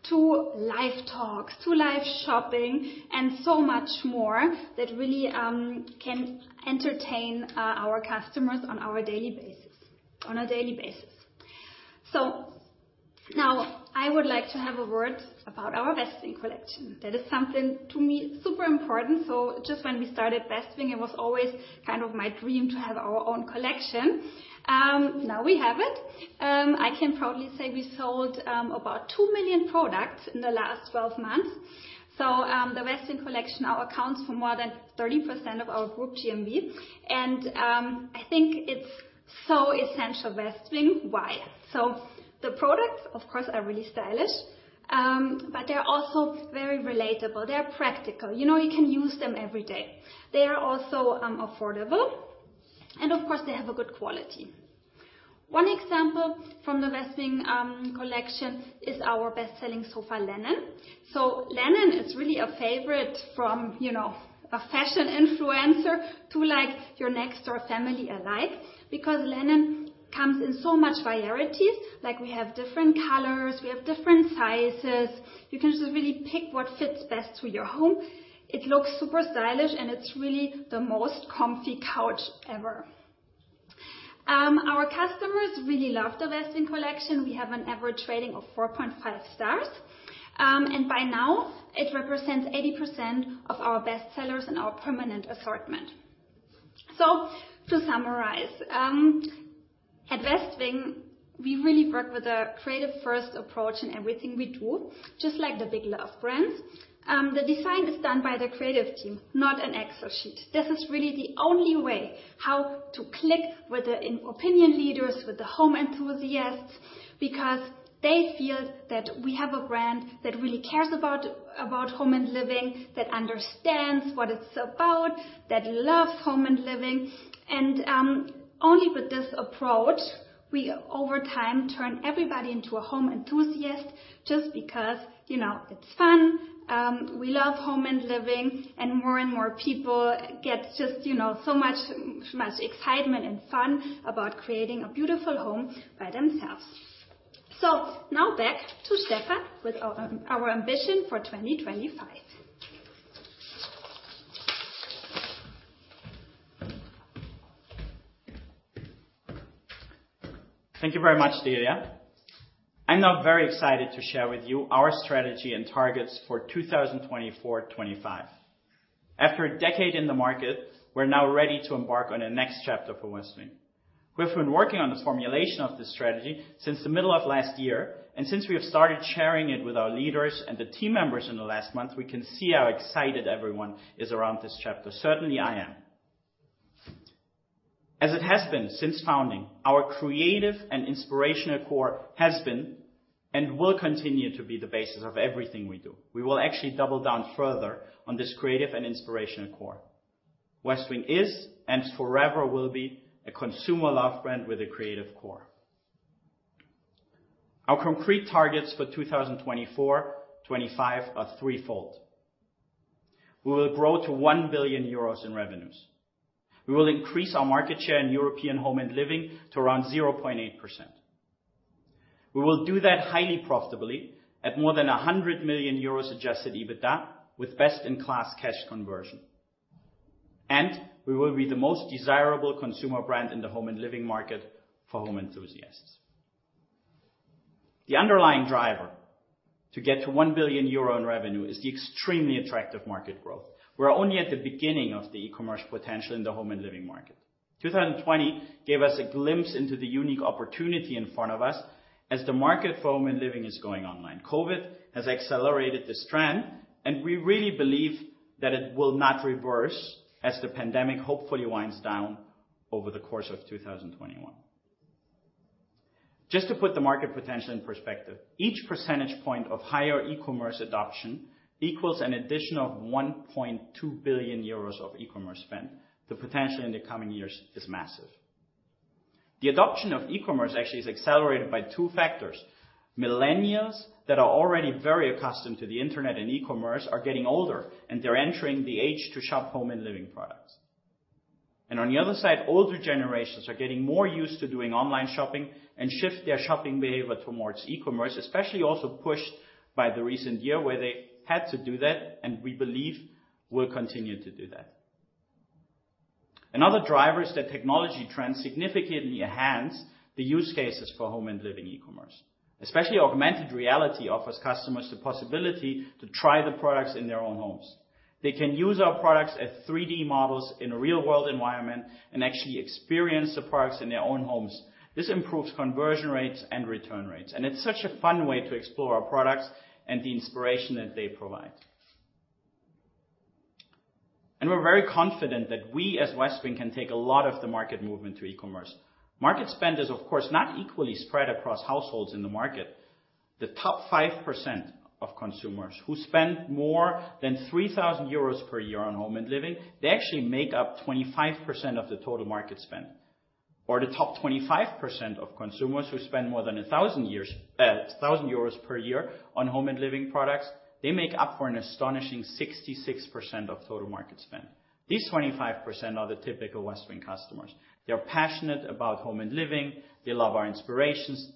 to live talks, to live shopping, and so much more that really can entertain our customers on a daily basis. I would like to have a word about our Westwing Collection. That is something to me super important. Just when we started Westwing, it was always kind of my dream to have our own collection. We have it. I can proudly say we sold about 2 million products in the last 12 months. The Westwing Collection now accounts for more than 30% of our group GMV, and I think it's so essential Westwing. Why? The products, of course, are really stylish, but they're also very relatable. They're practical. You can use them every day. They are also affordable, and of course, they have a good quality. One example from the Westwing Collection is our best-selling sofa, Lennon. Lennon is really a favorite from a fashion influencer to your next door family alike because Lennon comes in so much varieties. We have different colors, we have different sizes. You can just really pick what fits best for your home. It looks super stylish, and it's really the most comfy couch ever. Our customers really love the Westwing Collection. We have an average rating of 4.5 stars. By now, it represents 80% of our best sellers and our permanent assortment. To summarize, at Westwing, we really work with a creative-first approach in everything we do, just like the big love brands. The design is done by the creative team, not an Excel sheet. This is really the only way how to click with the opinion leaders, with the home enthusiasts, because they feel that we have a brand that really cares about home and living, that understands what it's about, that loves home and living. Only with this approach, we over time turn everybody into a home enthusiast just because it's fun, we love home and living, and more and more people get just so much excitement and fun about creating a beautiful home by themselves. Back to Stefan with our ambition for 2025. Thank you very much, Delia. I'm now very excited to share with you our strategy and targets for 2024-2025. After a decade in the market, we're now ready to embark on the next chapter for Westwing. We've been working on the formulation of this strategy since the middle of last year, and since we have started sharing it with our leaders and the team members in the last month, we can see how excited everyone is around this chapter. Certainly, I am. As it has been since founding, our creative and inspirational core has been and will continue to be the basis of everything we do. We will actually double down further on this creative and inspirational core. Westwing is and forever will be a consumer love brand with a creative core. Our concrete targets for 2024-2025 are threefold. We will grow to 1 billion euros in revenues. We will increase our market share in European home and living to around 0.8%. We will do that highly profitably at more than 100 million euros adjusted EBITDA with best-in-class cash conversion. We will be the most desirable consumer brand in the home and living market for home enthusiasts. The underlying driver to get to 1 billion euro in revenue is the extremely attractive market growth. We're only at the beginning of the e-commerce potential in the home and living market. 2020 gave us a glimpse into the unique opportunity in front of us as the market for home and living is going online. COVID has accelerated this trend, and we really believe that it will not reverse as the pandemic hopefully winds down over the course of 2021. Just to put the market potential in perspective, each percentage point of higher e-commerce adoption equals an addition of 1.2 billion euros of e-commerce spend. The potential in the coming years is massive. The adoption of e-commerce actually is accelerated by two factors. Millennials that are already very accustomed to the internet and e-commerce are getting older, and they're entering the age to shop home and living products. Older generations are getting more used to doing online shopping and shift their shopping behavior towards e-commerce, especially also pushed by the recent year where they had to do that, and we believe will continue to do that. Another driver is that technology trends significantly enhance the use cases for home and living e-commerce. Especially augmented reality offers customers the possibility to try the products in their own homes. They can use our products as 3D models in a real-world environment and actually experience the products in their own homes. This improves conversion rates and return rates, it's such a fun way to explore our products and the inspiration that they provide. We're very confident that we, as Westwing, can take a lot of the market movement to e-commerce. Market spend is, of course, not equally spread across households in the market. The top 5% of consumers who spend more than 3,000 euros per year on home and living, they actually make up 25% of the total market spend. The top 25% of consumers who spend more than 1,000 euros per year on home and living products, they make up for an astonishing 66% of total market spend. These 25% are the typical Westwing customers. They're passionate about home and living. They love our inspirations.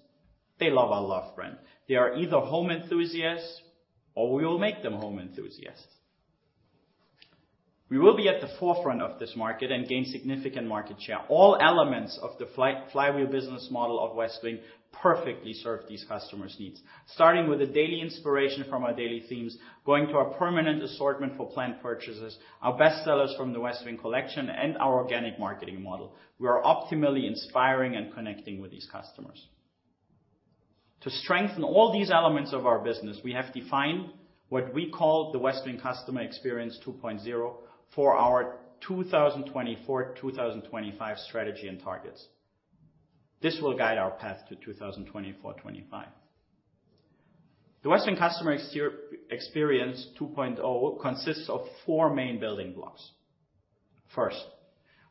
They love our loved brand. They are either home enthusiasts or we will make them home enthusiasts. We will be at the forefront of this market and gain significant market share. All elements of the flywheel business model of Westwing perfectly serve these customers' needs. Starting with the Daily Themes, going to our permanent assortment for planned purchases, our best sellers from the Westwing Collection, and our organic marketing model. We are optimally inspiring and connecting with these customers. To strengthen all these elements of our business, we have defined what we call the Westwing customer experience 2.0 for our 2024, 2025 strategy and targets. This will guide our path to 2024, 2025. The Westwing customer experience 2.0 consists of four main building blocks. First,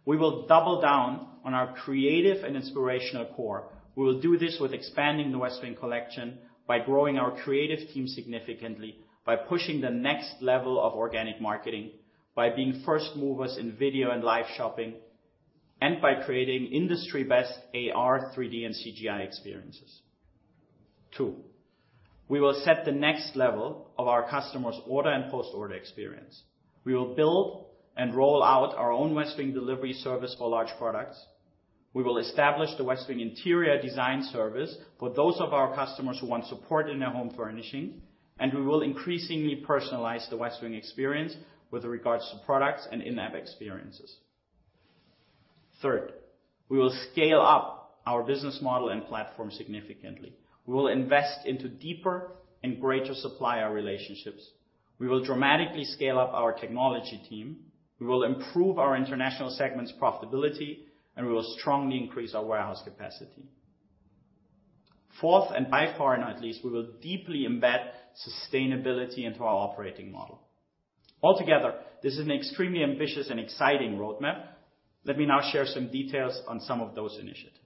we will double down on our creative and inspirational core. We will do this with expanding the Westwing Collection by growing our creative team significantly, by pushing the next level of organic marketing, by being first movers in video and live shopping, and by creating industry-best AR, 3D, and CGI experiences. Two, we will set the next level of our customers' order and post-order experience. We will build and roll out our own Westwing Delivery Service for large products. We will establish the Westwing Design Service for those of our customers who want support in their home furnishing. We will increasingly personalize the Westwing experience with regards to products and in-app experiences. Third, we will scale up our business model and platform significantly. We will invest into deeper and greater supplier relationships. We will dramatically scale up our technology team. We will improve our international segment's profitability. We will strongly increase our warehouse capacity. Fourth, by far not least, we will deeply embed sustainability into our operating model. Altogether, this is an extremely ambitious and exciting roadmap. Let me now share some details on some of those initiatives.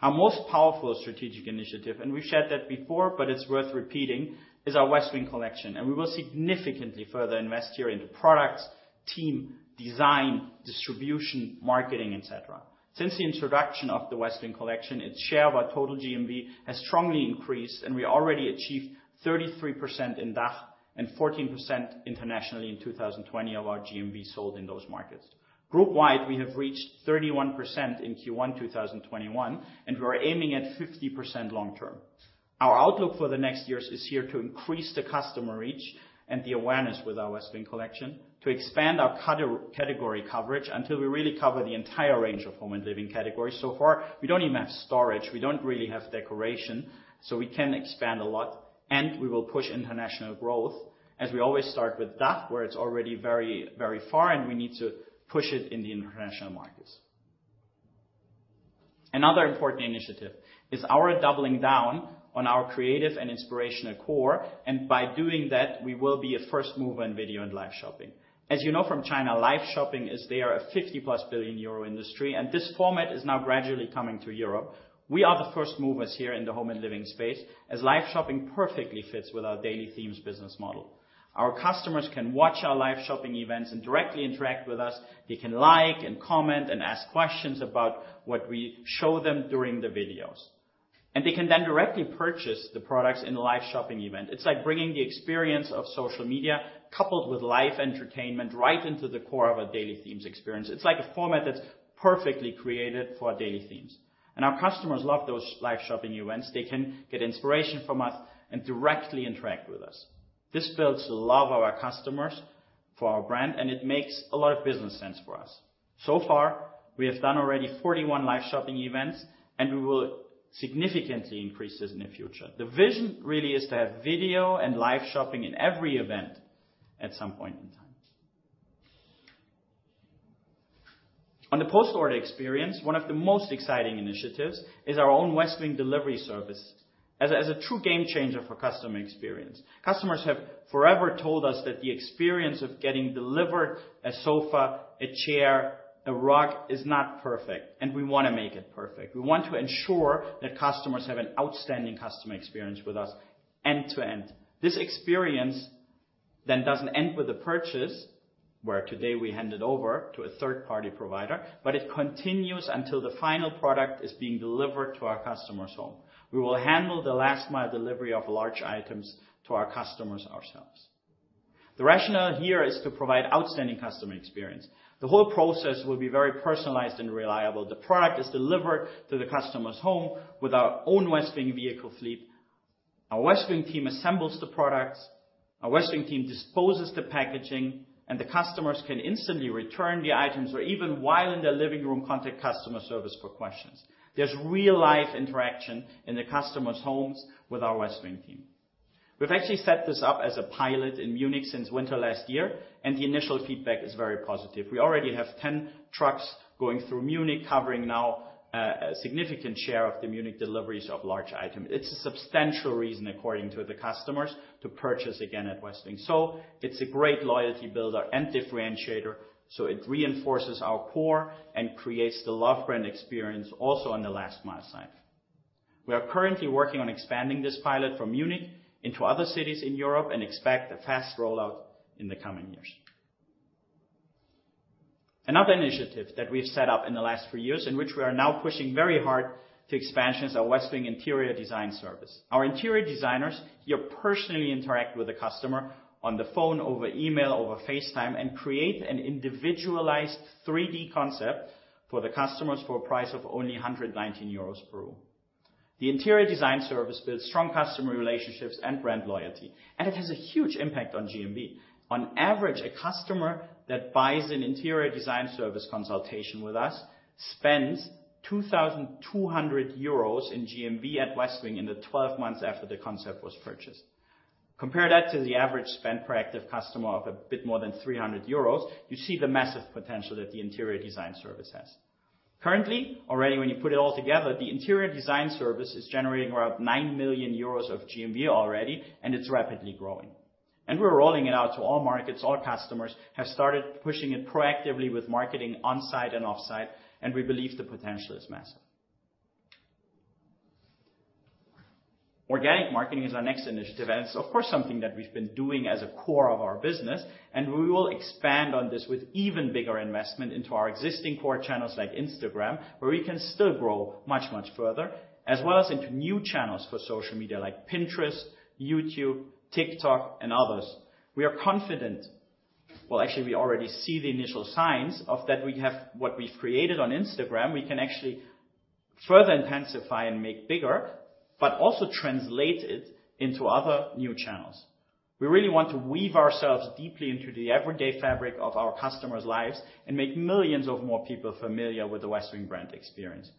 Our most powerful strategic initiative, and we've shared that before, but it's worth repeating, is our Westwing Collection, and we will significantly further invest here into products, team, design, distribution, marketing, et cetera. Since the introduction of the Westwing Collection, its share of our total GMV has strongly increased, and we already achieved 33% in DACH and 14% internationally in 2020 of our GMV sold in those markets. Group wide, we have reached 31% in Q1 2021, and we are aiming at 50% long term. Our outlook for the next years is here to increase the customer reach and the awareness with our Westwing Collection, to expand our category coverage until we really cover the entire range of home and living categories so far, we don't even have storage. We don't really have decoration. We can expand a lot, and we will push international growth as we always start with DACH, where it's already very far and we need to push it in the international markets. Another important initiative is our doubling down on our creative and inspirational core. By doing that, we will be a first mover in video and live shopping. As you know from China, live shopping is, there, a 50+ billion euro industry, and this format is now gradually coming to Europe. We are the first movers here in the home and living space, as live shopping perfectly fits with our Daily Themes business model. Our customers can watch our live shopping events and directly interact with us. They can like and comment and ask questions about what we show them during the videos. They can then directly purchase the products in the live shopping event. It's like bringing the experience of social media coupled with live entertainment right into the core of a Daily Themes experience. It's like a format that's perfectly created for Daily Themes. Our customers love those live shopping events. They can get inspiration from us and directly interact with us. This builds love of our customers for our brand, and it makes a lot of business sense for us. So far, we have done already 41 live shopping events, and we will significantly increase this in the future. The vision really is to have video and live shopping in every event at some point in time. On the post-order experience, one of the most exciting initiatives is our own Westwing Delivery Service as a true game changer for customer experience. Customers have forever told us that the experience of getting delivered a sofa, a chair, a rug is not perfect, and we want to make it perfect. We want to ensure that customers have an outstanding customer experience with us end to end. This experience then doesn't end with a purchase, where today we hand it over to a third-party provider, but it continues until the final product is being delivered to our customer's home. We will handle the last-mile delivery of large items to our customers ourselves. The rationale here is to provide outstanding customer experience. The whole process will be very personalized and reliable. The product is delivered to the customer's home with our Westwing Delivery Service. Our Westwing team assembles the products, our Westwing team disposes the packaging, and the customers can instantly return the items or even while in their living room, contact customer service for questions. There's real live interaction in the customer's homes with our Westwing team. We've actually set this up as a pilot in Munich since winter last year, and the initial feedback is very positive. We already have 10 trucks going through Munich, covering now a significant share of the Munich deliveries of large items. It's a substantial reason, according to the customers, to purchase again at Westwing. It's a great loyalty builder and differentiator, it reinforces our core and creates the love brand experience also on the last mile side. We are currently working on expanding this pilot from Munich into other cities in Europe and expect a fast rollout in the coming years. Another initiative that we've set up in the last few years, in which we are now pushing very hard to expansion, is our Westwing Design Service. Our interior designers here personally interact with the customer on the phone, over email, over FaceTime, and create an individualized 3D concept for the customers for a price of only 119 euros per room. The Interior Design Service builds strong customer relationships and brand loyalty, and it has a huge impact on GMV. On average, a customer that buys a Westwing Design Service consultation with us spends 2,200 euros in GMV at Westwing in the 12 months after the concept was purchased. Compare that to the average spend per active customer of a bit more than 300 euros, you see the massive potential that the Westwing Design Service has. Currently, already, when you put it all together, the Westwing Design Service is generating around 9 million euros of GMV already, and it's rapidly growing. We're rolling it out to all markets. All customers have started pushing it proactively with marketing on-site and off-site, and we believe the potential is massive. Organic marketing is our next initiative. It's of course, something that we've been doing as a core of our business. We will expand on this with even bigger investment into our existing core channels like Instagram, where we can still grow much, much further, as well as into new channels for social media like Pinterest, YouTube, TikTok, and others. We are confident. Well, actually, we already see the initial signs of that we have what we've created on Instagram. We can actually further intensify and make bigger. Also translate it into other new channels. We really want to weave ourselves deeply into the everyday fabric of our customers' lives and make millions of more people familiar with the Westwing brand experience.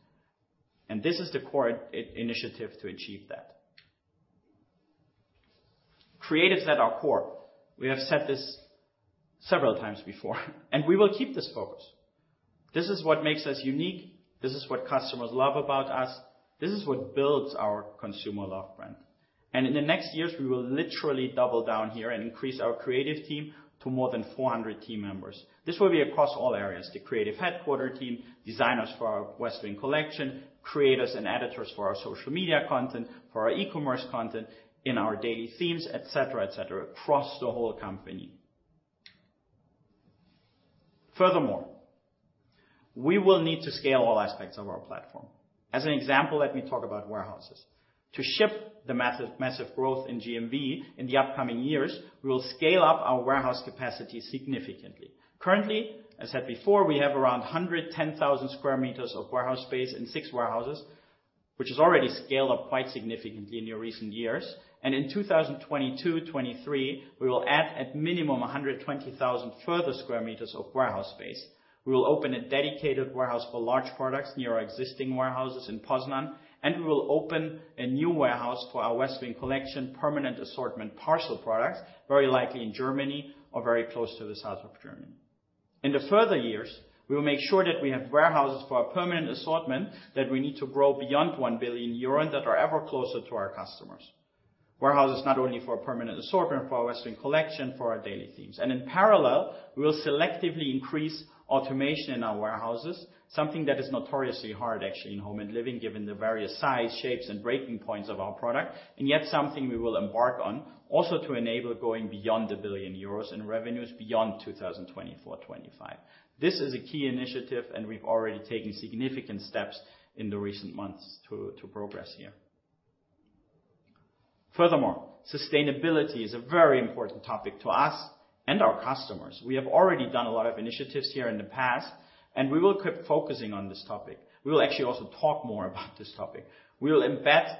This is the core initiative to achieve that. Creatives at our core. We have said this several times before. We will keep this focus. This is what makes us unique. This is what customers love about us. This is what builds our consumer love brand. In the next years, we will literally double down here and increase our creative team to more than 400 team members. This will be across all areas, the creative headquarter team, designers for our Westwing Collection, creators and editors for our social media content, for our e-commerce content in our Daily Themes, et cetera, et cetera, across the whole company. Furthermore, we will need to scale all aspects of our platform. As an example, let me talk about warehouses. To ship the massive growth in GMV in the upcoming years, we will scale up our warehouse capacity significantly. Currently, as said before, we have around 110,000 sq m of warehouse space in six warehouses, which has already scaled up quite significantly in the recent years. In 2022, 2023, we will add at minimum 120,000 further square meters of warehouse space. We will open a dedicated warehouse for large products near our existing warehouses in Poznań, and we will open a new warehouse for our Westwing Collection permanent assortment parcel products, very likely in Germany or very close to the south of Germany. In the further years, we will make sure that we have warehouses for our permanent assortment that we need to grow beyond 1 billion euro that are ever closer to our customers. Warehouses not only for permanent assortment, for our Westwing Collection, for our Daily Themes. In parallel, we will selectively increase automation in our warehouses, something that is notoriously hard, actually, in home and living, given the various size, shapes, and breaking points of our product, and yet something we will embark on also to enable going beyond 1 billion euros in revenues beyond 2024, 2025. This is a key initiative. We've already taken significant steps in the recent months to progress here. Sustainability is a very important topic to us and our customers. We have already done a lot of initiatives here in the past. We will keep focusing on this topic. We will actually also talk more about this topic. We will embed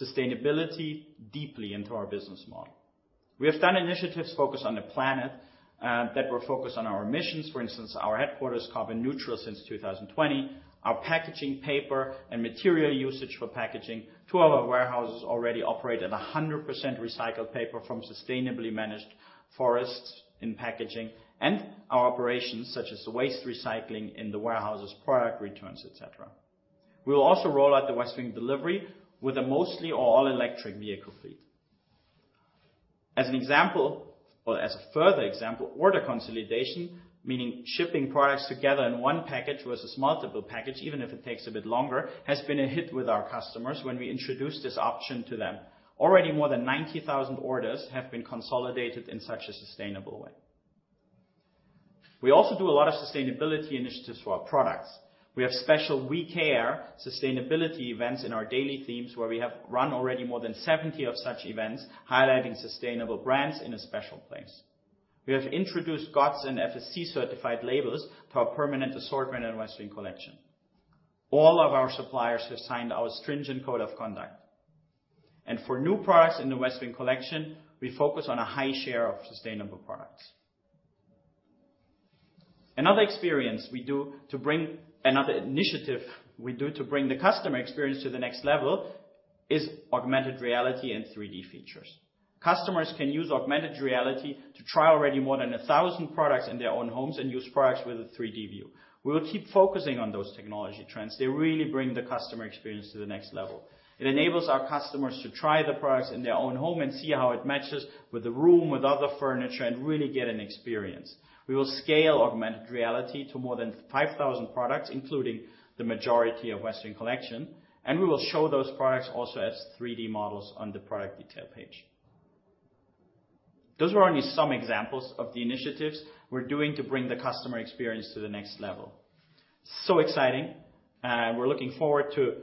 sustainability deeply into our business model. We have done initiatives focused on the planet that were focused on our emissions. For instance, our headquarters carbon neutral since 2020, our packaging paper and material usage for packaging to our warehouses already operate at 100% recycled paper from sustainably managed forests in packaging, and our operations, such as waste recycling in the warehouses, product returns, et cetera. We will also roll out the Westwing delivery with a mostly or all electric vehicle fleet. As a further example, order consolidation, meaning shipping products together in one package versus multiple package, even if it takes a bit longer, has been a hit with our customers when we introduced this option to them. Already, more than 90,000 orders have been consolidated in such a sustainable way. We also do a lot of sustainability initiatives for our products. We have special WeCare sustainability events in our Daily Themes where we have run already more than 70 of such events, highlighting sustainable brands in a special place. We have introduced GOTS and FSC certified labels to our permanent assortment in Westwing Collection. For new products in the Westwing Collection, we focus on a high share of sustainable products. Another initiative we do to bring the customer experience to the next level is augmented reality and 3D features. Customers can use augmented reality to try already more than 1,000 products in their own homes and use products with a 3D view. We will keep focusing on those technology trends. They really bring the customer experience to the next level. It enables our customers to try the products in their own home and see how it matches with the room, with other furniture, and really get an experience. We will scale augmented reality to more than 5,000 products, including the majority of Westwing Collection, and we will show those products also as 3D models on the product detail page. Those were only some examples of the initiatives we're doing to bring the customer experience to the next level. Exciting. We're looking forward to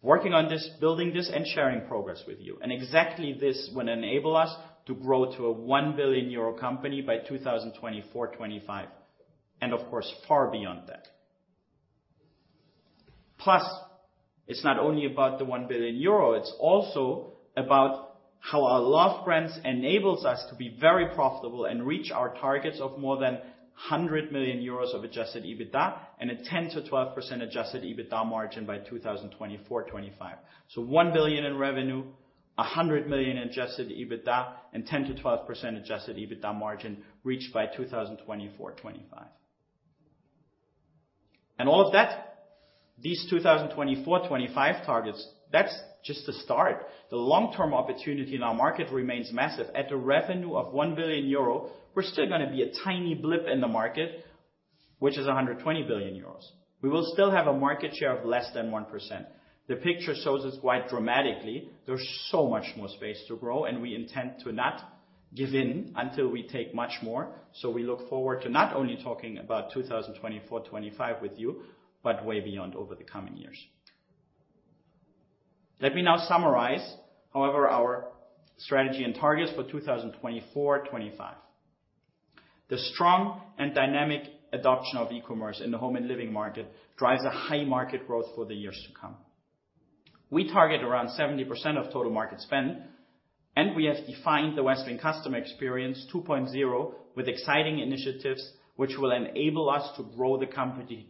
working on this, building this, and sharing progress with you. Exactly this will enable us to grow to a 1 billion euro company by 2024, 2025, and of course, far beyond that. Plus, it's not only about the 1 billion euro, it's also about how our love brand enables us to be very profitable and reach our targets of more than 100 million euros of adjusted EBITDA and a 10%-12% adjusted EBITDA margin by 2024, 2025. 1 billion in revenue, 100 million in adjusted EBITDA, and 10%-12% adjusted EBITDA margin reached by 2024, 2025. All of that, these 2024, 2025 targets, that's just the start. The long-term opportunity in our market remains massive. At the revenue of 1 billion euro, we're still going to be a tiny blip in the market, which is 120 billion euros. We will still have a market share of less than 1%. The picture shows us quite dramatically there's so much more space to grow, and we intend to not give in until we take much more. We look forward to not only talking about 2024, 2025 with you, but way beyond over the coming years. Let me now summarize, however, our strategy and targets for 2024, 2025. The strong and dynamic adoption of e-commerce in the home and living market drives a high market growth for the years to come. We target around 70% of total market spend, and we have defined the Westwing customer experience 2.0 with exciting initiatives which will enable us to grow the company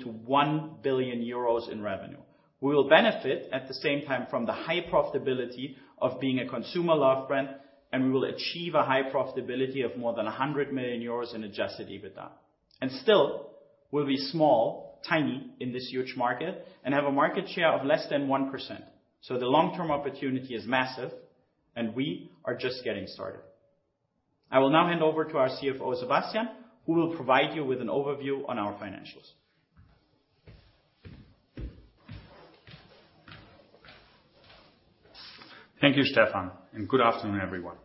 to 1 billion euros in revenue. We will benefit at the same time from the high profitability of being a love brand, and we will achieve a high profitability of more than 100 million euros in adjusted EBITDA. Still, we'll be small, tiny in this huge market, and have a market share of less than 1%. The long-term opportunity is massive, and we are just getting started. I will now hand over to our CFO, Sebastian, who will provide you with an overview on our financials. Thank you, Stefan, and good afternoon, everyone.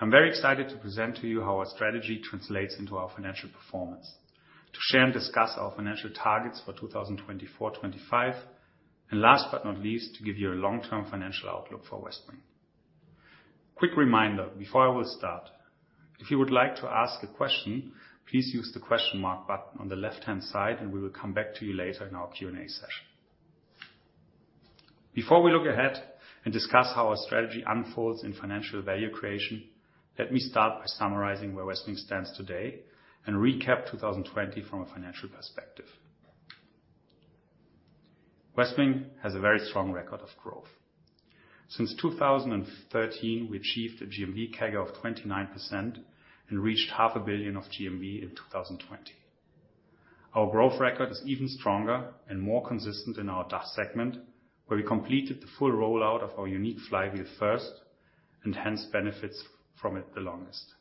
I'm very excited to present to you how our strategy translates into our financial performance, to share and discuss our financial targets for 2024, 2025, and last but not least, to give you a long-term financial outlook for Westwing. Quick reminder before I will start, if you would like to ask a question, please use the question mark button on the left-hand side, and we will come back to you later in our Q&A session. Before we look ahead and discuss how our strategy unfolds in financial value creation, let me start by summarizing where Westwing stands today and recap 2020 from a financial perspective. Westwing has a very strong record of growth. Since 2013, we achieved a GMV CAGR of 29% and reached half a billion of GMV in 2020. Our growth record is even stronger and more consistent in our DACH segment, where we completed the full rollout of our unique flywheel first, and hence benefits from it the longest.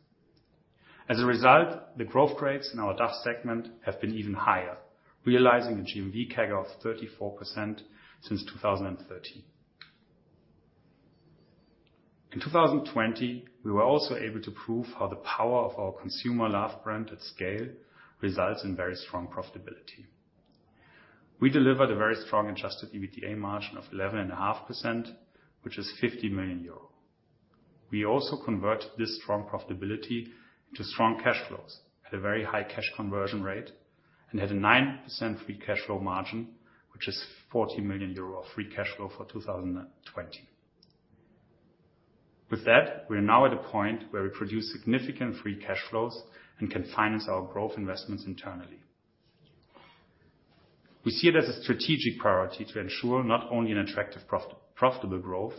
As a result, the growth rates in our DACH segment have been even higher, realizing a GMV CAGR of 34% since 2013. In 2020, we were also able to prove how the power of our consumer loved brand at scale results in very strong profitability. We delivered a very strong adjusted EBITDA margin of 11.5%, which is 50 million euro. We also convert this strong profitability into strong cash flows at a very high cash conversion rate and had a 9% free cash flow margin, which is 40 million euro of free cash flow for 2020. With that, we are now at a point where we produce significant free cash flows and can finance our growth investments internally. We see it as a strategic priority to ensure not only an attractive, profitable growth,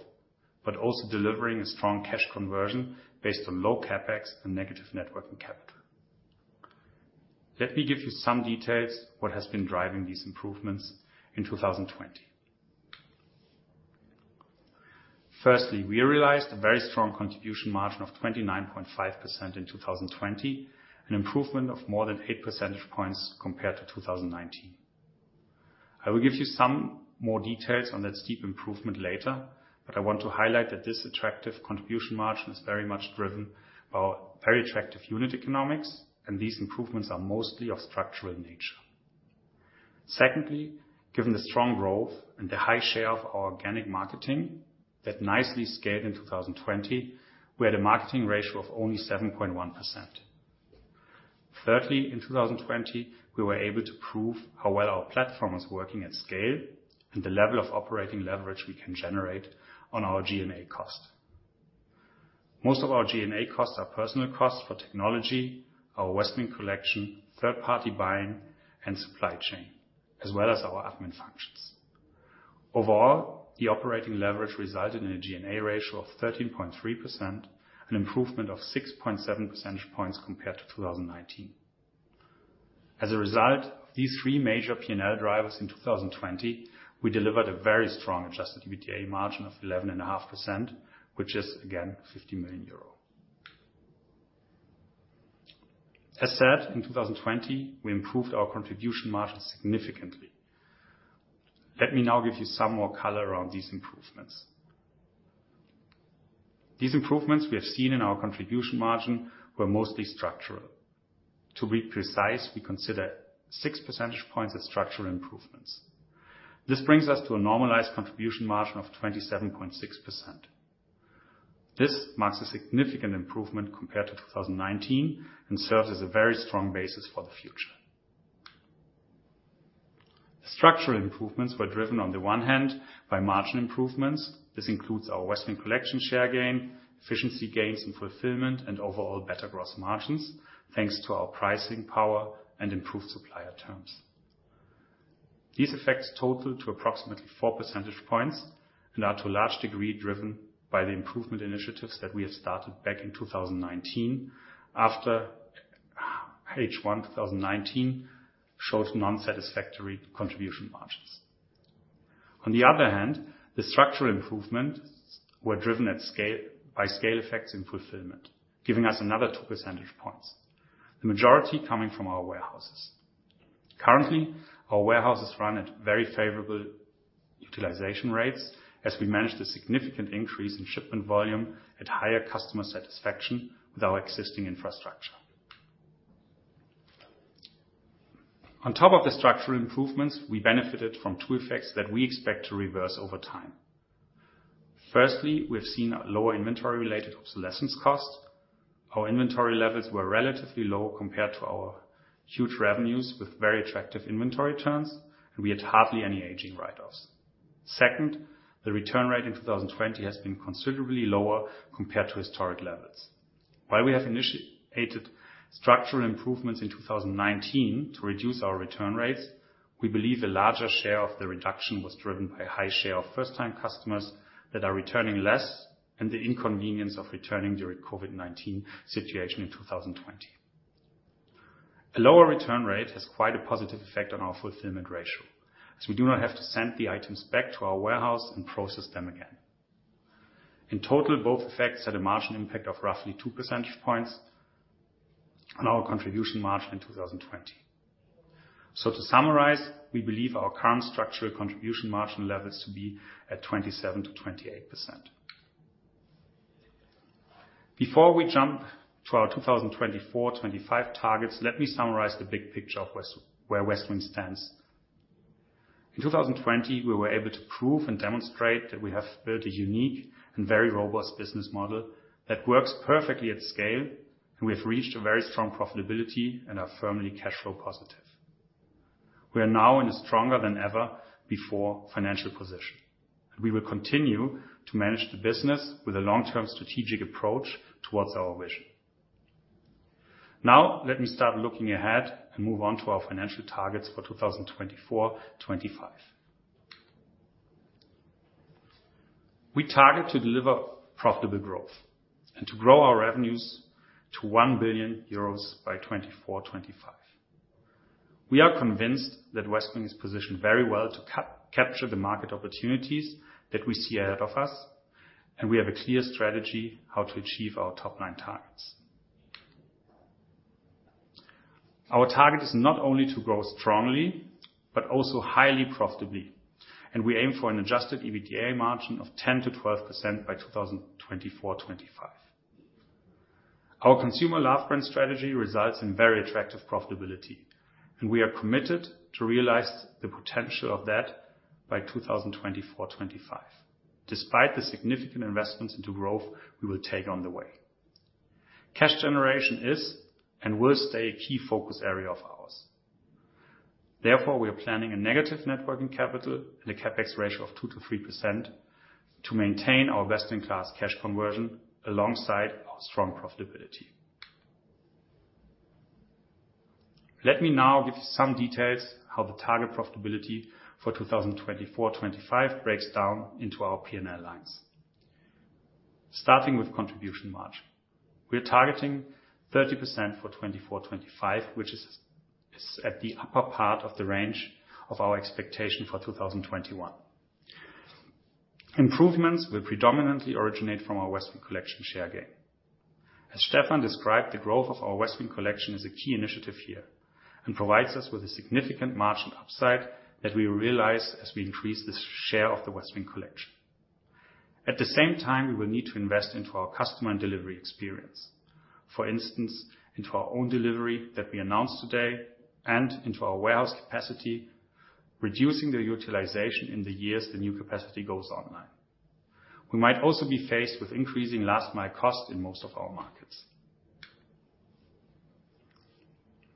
but also delivering a strong cash conversion based on low CapEx and negative net working capital. Let me give you some details what has been driving these improvements in 2020. Firstly, we realized a very strong contribution margin of 29.5% in 2020, an improvement of more than eight percentage points compared to 2019. I will give you some more details on that steep improvement later, but I want to highlight that this attractive contribution margin is very much driven by our very attractive unit economics, and these improvements are mostly of structural nature. Secondly, given the strong growth and the high share of our organic marketing that nicely scaled in 2020, we had a marketing ratio of only 7.1%. Thirdly, in 2020, we were able to prove how well our platform was working at scale and the level of operating leverage we can generate on our G&A cost. Most of our G&A costs are personal costs for technology, our Westwing Collection, third-party buying and supply chain, as well as our admin functions. Overall, the operating leverage resulted in a G&A ratio of 13.3%, an improvement of 6.7 percentage points compared to 2019. As a result, these three major P&L drivers in 2020, we delivered a very strong adjusted EBITDA margin of 11.5%, which is again EUR 50 million. As said, in 2020, we improved our contribution margin significantly. Let me now give you some more color around these improvements. These improvements we have seen in our contribution margin were mostly structural. To be precise, we consider six percentage points as structural improvements. This brings us to a normalized contribution margin of 27.6%. This marks a significant improvement compared to 2019 and serves as a very strong basis for the future. Structural improvements were driven on the one hand by margin improvements. This includes our Westwing Collection share gain, efficiency gains in fulfillment, and overall better gross margins, thanks to our pricing power and improved supplier terms. These effects total to approximately four percentage points and are to a large degree driven by the improvement initiatives that we have started back in 2019 after H1 2019 showed non-satisfactory contribution margins. On the other hand, the structural improvements were driven by scale effects in fulfillment, giving us another 2 percentage points, the majority coming from our warehouses. Currently, our warehouses run at very favorable utilization rates as we manage the significant increase in shipment volume at higher customer satisfaction with our existing infrastructure. On top of the structural improvements, we benefited from two effects that we expect to reverse over time. Firstly, we have seen a lower inventory-related obsolescence cost. Our inventory levels were relatively low compared to our huge revenues with very attractive inventory turns, and we had hardly any aging write-offs. Second, the return rate in 2020 has been considerably lower compared to historic levels. While we have initiated structural improvements in 2019 to reduce our return rates, we believe a larger share of the reduction was driven by a high share of first-time customers that are returning less and the inconvenience of returning during COVID-19 situation in 2020. A lower return rate has quite a positive effect on our fulfillment ratio, as we do not have to send the items back to our warehouse and process them again. In total, both effects had a margin impact of roughly two percentage points on our contribution margin in 2020. To summarize, we believe our current structural contribution margin levels to be at 27%-28%. Before we jump to our 2024, 2025 targets, let me summarize the big picture of where Westwing stands. In 2020, we were able to prove and demonstrate that we have built a unique and very robust business model that works perfectly at scale, and we have reached a very strong profitability and are firmly cash flow positive. We are now in a stronger than ever before financial position. We will continue to manage the business with a long-term strategic approach towards our vision. Let me start looking ahead and move on to our financial targets for 2024, 2025. We target to deliver profitable growth and to grow our revenues to 1 billion euros by 2024, 2025. We are convinced that Westwing is positioned very well to capture the market opportunities that we see ahead of us, and we have a clear strategy how to achieve our top line targets. Our target is not only to grow strongly but also highly profitably, and we aim for an adjusted EBITDA margin of 10%-12% by 2024, 2025. Our consumer love brand strategy results in very attractive profitability, and we are committed to realize the potential of that by 2024, 2025, despite the significant investments into growth we will take on the way. Cash generation is and will stay a key focus area of ours. Therefore, we are planning a negative net working capital and a CapEx ratio of 2%-3% to maintain our best-in-class cash conversion alongside our strong profitability. Let me now give you some details how the target profitability for 2024, 2025 breaks down into our P&L lines. Starting with contribution margin. We're targeting 30% for 2024, 2025, which is at the upper part of the range of our expectation for 2021. Improvements will predominantly originate from our Westwing Collection share gain. As Stefan described, the growth of our Westwing Collection is a key initiative here and provides us with a significant margin upside that we realize as we increase the share of the Westwing Collection. At the same time, we will need to invest into our customer and delivery experience. For instance, into our own delivery that we announced today and into our warehouse capacity, reducing the utilization in the years the new capacity goes online. We might also be faced with increasing last mile cost in most of our markets.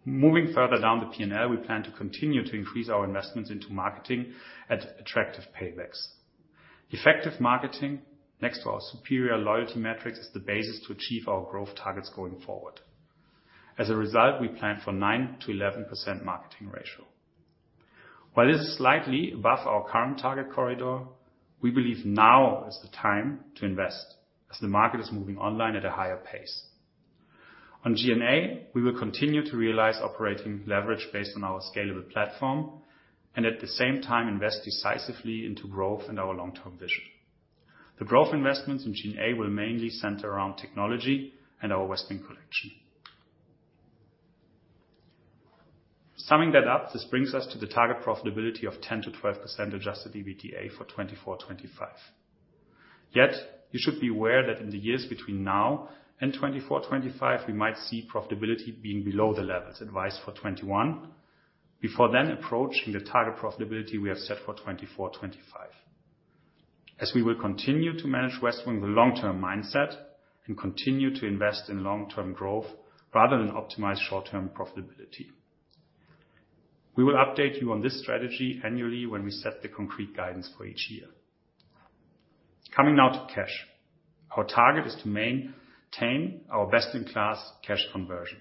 Moving further down the P&L, we plan to continue to increase our investments into marketing at attractive paybacks. Effective marketing, next to our superior loyalty metrics, is the basis to achieve our growth targets going forward. As a result, we plan for 9%-11% marketing ratio. While this is slightly above our current target corridor, we believe now is the time to invest as the market is moving online at a higher pace. On G&A, we will continue to realize operating leverage based on our scalable platform and at the same time invest decisively into growth and our long-term vision. The growth investments in G&A will mainly center around technology and our Westwing Collection. Summing that up, this brings us to the target profitability of 10% to 12% adjusted EBITDA for 2024, 2025. Yet you should be aware that in the years between now and 2024, 2025, we might see profitability being below the levels advised for 2021, before then approaching the target profitability we have set for 2024, 2025. As we will continue to manage Westwing with a long-term mindset and continue to invest in long-term growth rather than optimize short-term profitability. We will update you on this strategy annually when we set the concrete guidance for each year. Coming now to cash. Our target is to maintain our best-in-class cash conversion.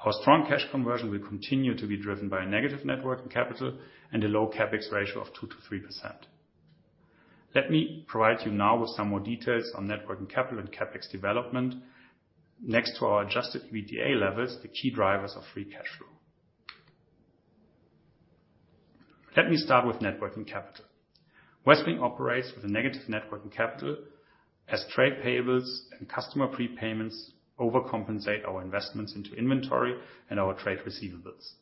Our strong cash conversion will continue to be driven by negative net working capital and a low CapEx ratio of 2%-3%. Let me provide you now with some more details on net working capital and CapEx development next to our adjusted EBITDA levels, the key drivers of free cash flow. Let me start with net working capital. Westwing operates with a negative net working capital as trade payables and customer prepayments overcompensate our investments into inventory and our trade receivables.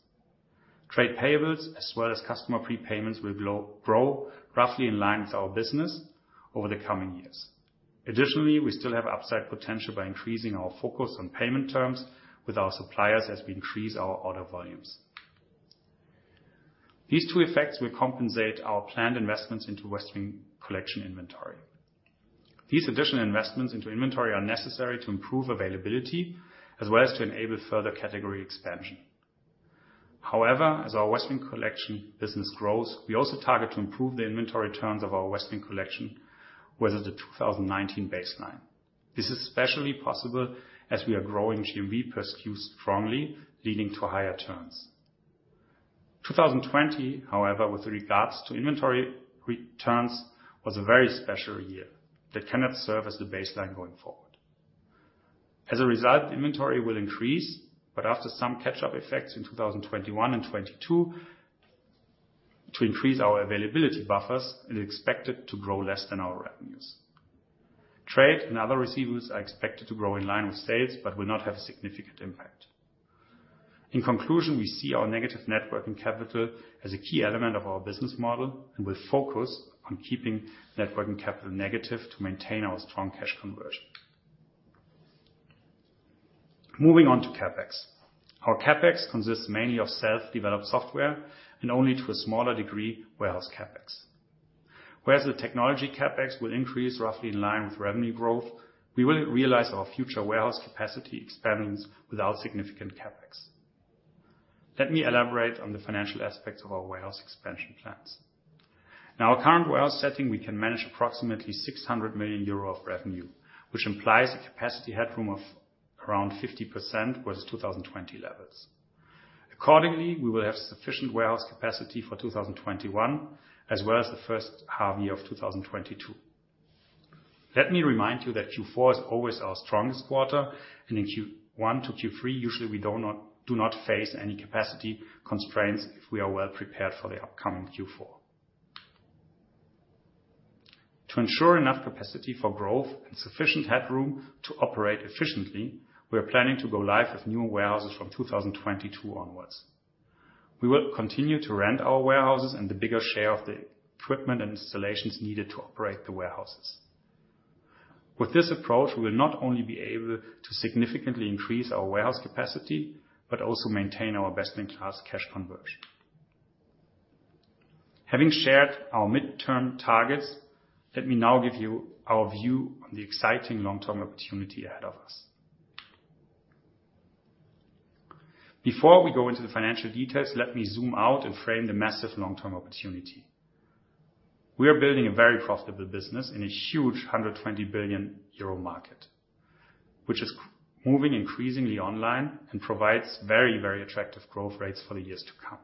Trade payables as well as customer prepayments will grow roughly in line with our business over the coming years. Additionally, we still have upside potential by increasing our focus on payment terms with our suppliers as we increase our order volumes. These two effects will compensate our planned investments into Westwing Collection inventory. These additional investments into inventory are necessary to improve availability as well as to enable further category expansion. However, as our Westwing Collection business grows, we also target to improve the inventory turns of our Westwing Collection with the 2019 baseline. This is especially possible as we are growing GMV per SKU strongly, leading to higher turns. 2020, however, with regards to inventory turns, was a very special year that cannot serve as the baseline going forward. As a result, inventory will increase, but after some catch-up effects in 2021 and 2022 to increase our availability buffers, it is expected to grow less than our revenues. Trade and other receivables are expected to grow in line with sales but will not have a significant impact. In conclusion, we see our negative net working capital as a key element of our business model and will focus on keeping net working capital negative to maintain our strong cash conversion. Moving on to CapEx. Our CapEx consists mainly of self-developed software and only to a smaller degree, warehouse CapEx. Whereas the technology CapEx will increase roughly in line with revenue growth, we will realize our future warehouse capacity expansions without significant CapEx. Let me elaborate on the financial aspects of our warehouse expansion plans. In our current warehouse setting, we can manage approximately 600 million euro of revenue, which implies a capacity headroom of around 50% with 2020 levels. Accordingly, we will have sufficient warehouse capacity for 2021, as well as the first half year of 2022. Let me remind you that Q4 is always our strongest quarter, and in Q1 to Q3, usually we do not face any capacity constraints if we are well prepared for the upcoming Q4. To ensure enough capacity for growth and sufficient headroom to operate efficiently, we are planning to go live with new warehouses from 2022 onwards. We will continue to rent our warehouses and the bigger share of the equipment and installations needed to operate the warehouses. With this approach, we will not only be able to significantly increase our warehouse capacity, but also maintain our best-in-class cash conversion. Having shared our midterm targets, let me now give you our view on the exciting long-term opportunity ahead of us. Before we go into the financial details, let me zoom out and frame the massive long-term opportunity. We are building a very profitable business in a huge 120 billion euro market, which is moving increasingly online and provides very attractive growth rates for the years to come.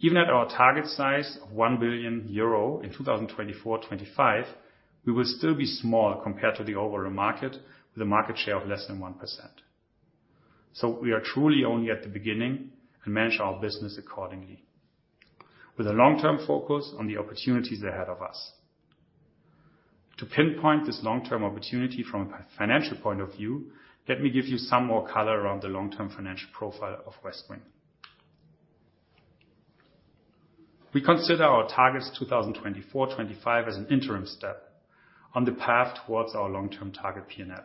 Even at our target size of 1 billion euro in 2024, 2025, we will still be small compared to the overall market, with a market share of less than 1%. We are truly only at the beginning and manage our business accordingly, with a long-term focus on the opportunities ahead of us. To pinpoint this long-term opportunity from a financial point of view, let me give you some more color around the long-term financial profile of Westwing. We consider our targets 2024, 2025 as an interim step on the path towards our long-term target P&L.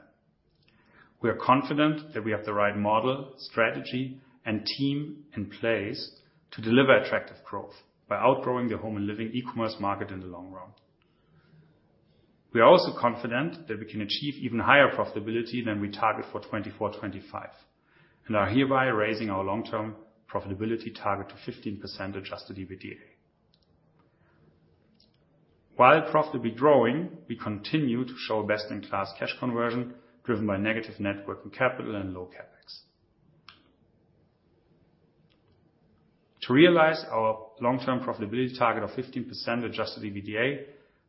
We are confident that we have the right model, strategy, and team in place to deliver attractive growth by outgrowing the home and living e-commerce market in the long run. We are also confident that we can achieve even higher profitability than we target for 2024, 2025, and are hereby raising our long-term profitability target to 15% adjusted EBITDA. While profitably growing, we continue to show best-in-class cash conversion driven by negative net working capital and low CapEx. To realize our long-term profitability target of 15% adjusted EBITDA,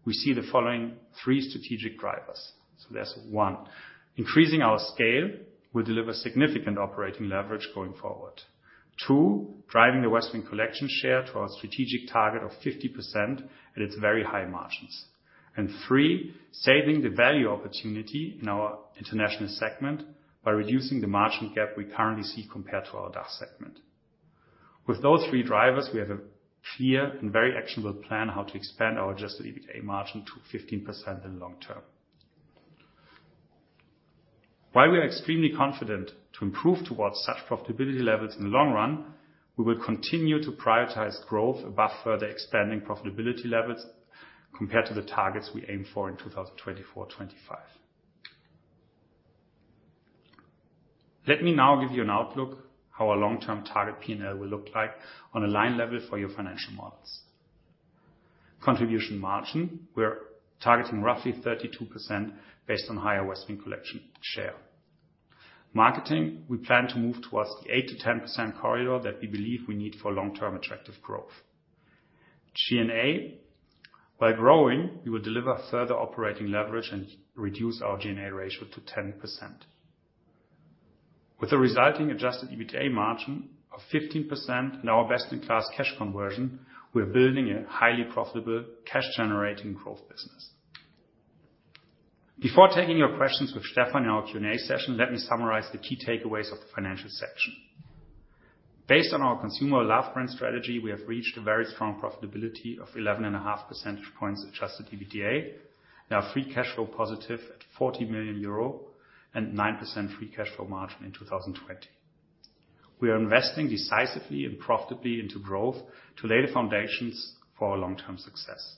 we see the following three strategic drivers. There's one, increasing our scale will deliver significant operating leverage going forward. Two, driving the Westwing Collection share to our strategic target of 50% at its very high margins. Three, saving the value opportunity in our international segment by reducing the margin gap we currently see compared to our DACH segment. With those three drivers, we have a clear and very actionable plan how to expand our adjusted EBITDA margin to 15% in the long term. While we are extremely confident to improve towards such profitability levels in the long run, we will continue to prioritize growth above further expanding profitability levels compared to the targets we aim for in 2024, 2025. Let me now give you an outlook how our long-term target P&L will look like on a line level for your financial models. Contribution margin, we're targeting roughly 32% based on higher Westwing Collection share. Marketing, we plan to move towards the 8%-10% corridor that we believe we need for long-term attractive growth. G&A, by growing, we will deliver further operating leverage and reduce our G&A ratio to 10%. With the resulting adjusted EBITDA margin of 15% and our best-in-class cash conversion, we're building a highly profitable, cash-generating growth business. Before taking your questions with Stefan in our Q&A session, let me summarize the key takeaways of the financial section. Based on our consumer love brand strategy, we have reached a very strong profitability of 11.5 percentage points adjusted EBITDA and are free cash flow positive at 40 million euro and 9% free cash flow margin in 2020. We are investing decisively and profitably into growth to lay the foundations for our long-term success.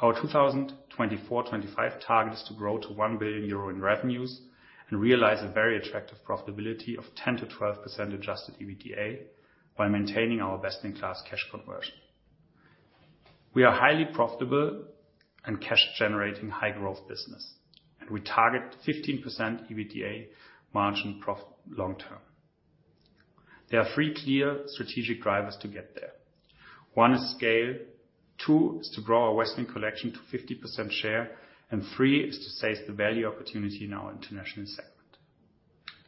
Our 2024, 2025 target is to grow to 1 billion euro in revenues and realize a very attractive profitability of 10%-12% adjusted EBITDA while maintaining our best-in-class cash conversion. We are highly profitable and cash-generating high growth business, and we target 15% EBITDA margin profit long term. There are three clear strategic drivers to get there. One is scale, two is to grow our Westwing Collection to 50% share, and three is to seize the value opportunity in our international segment.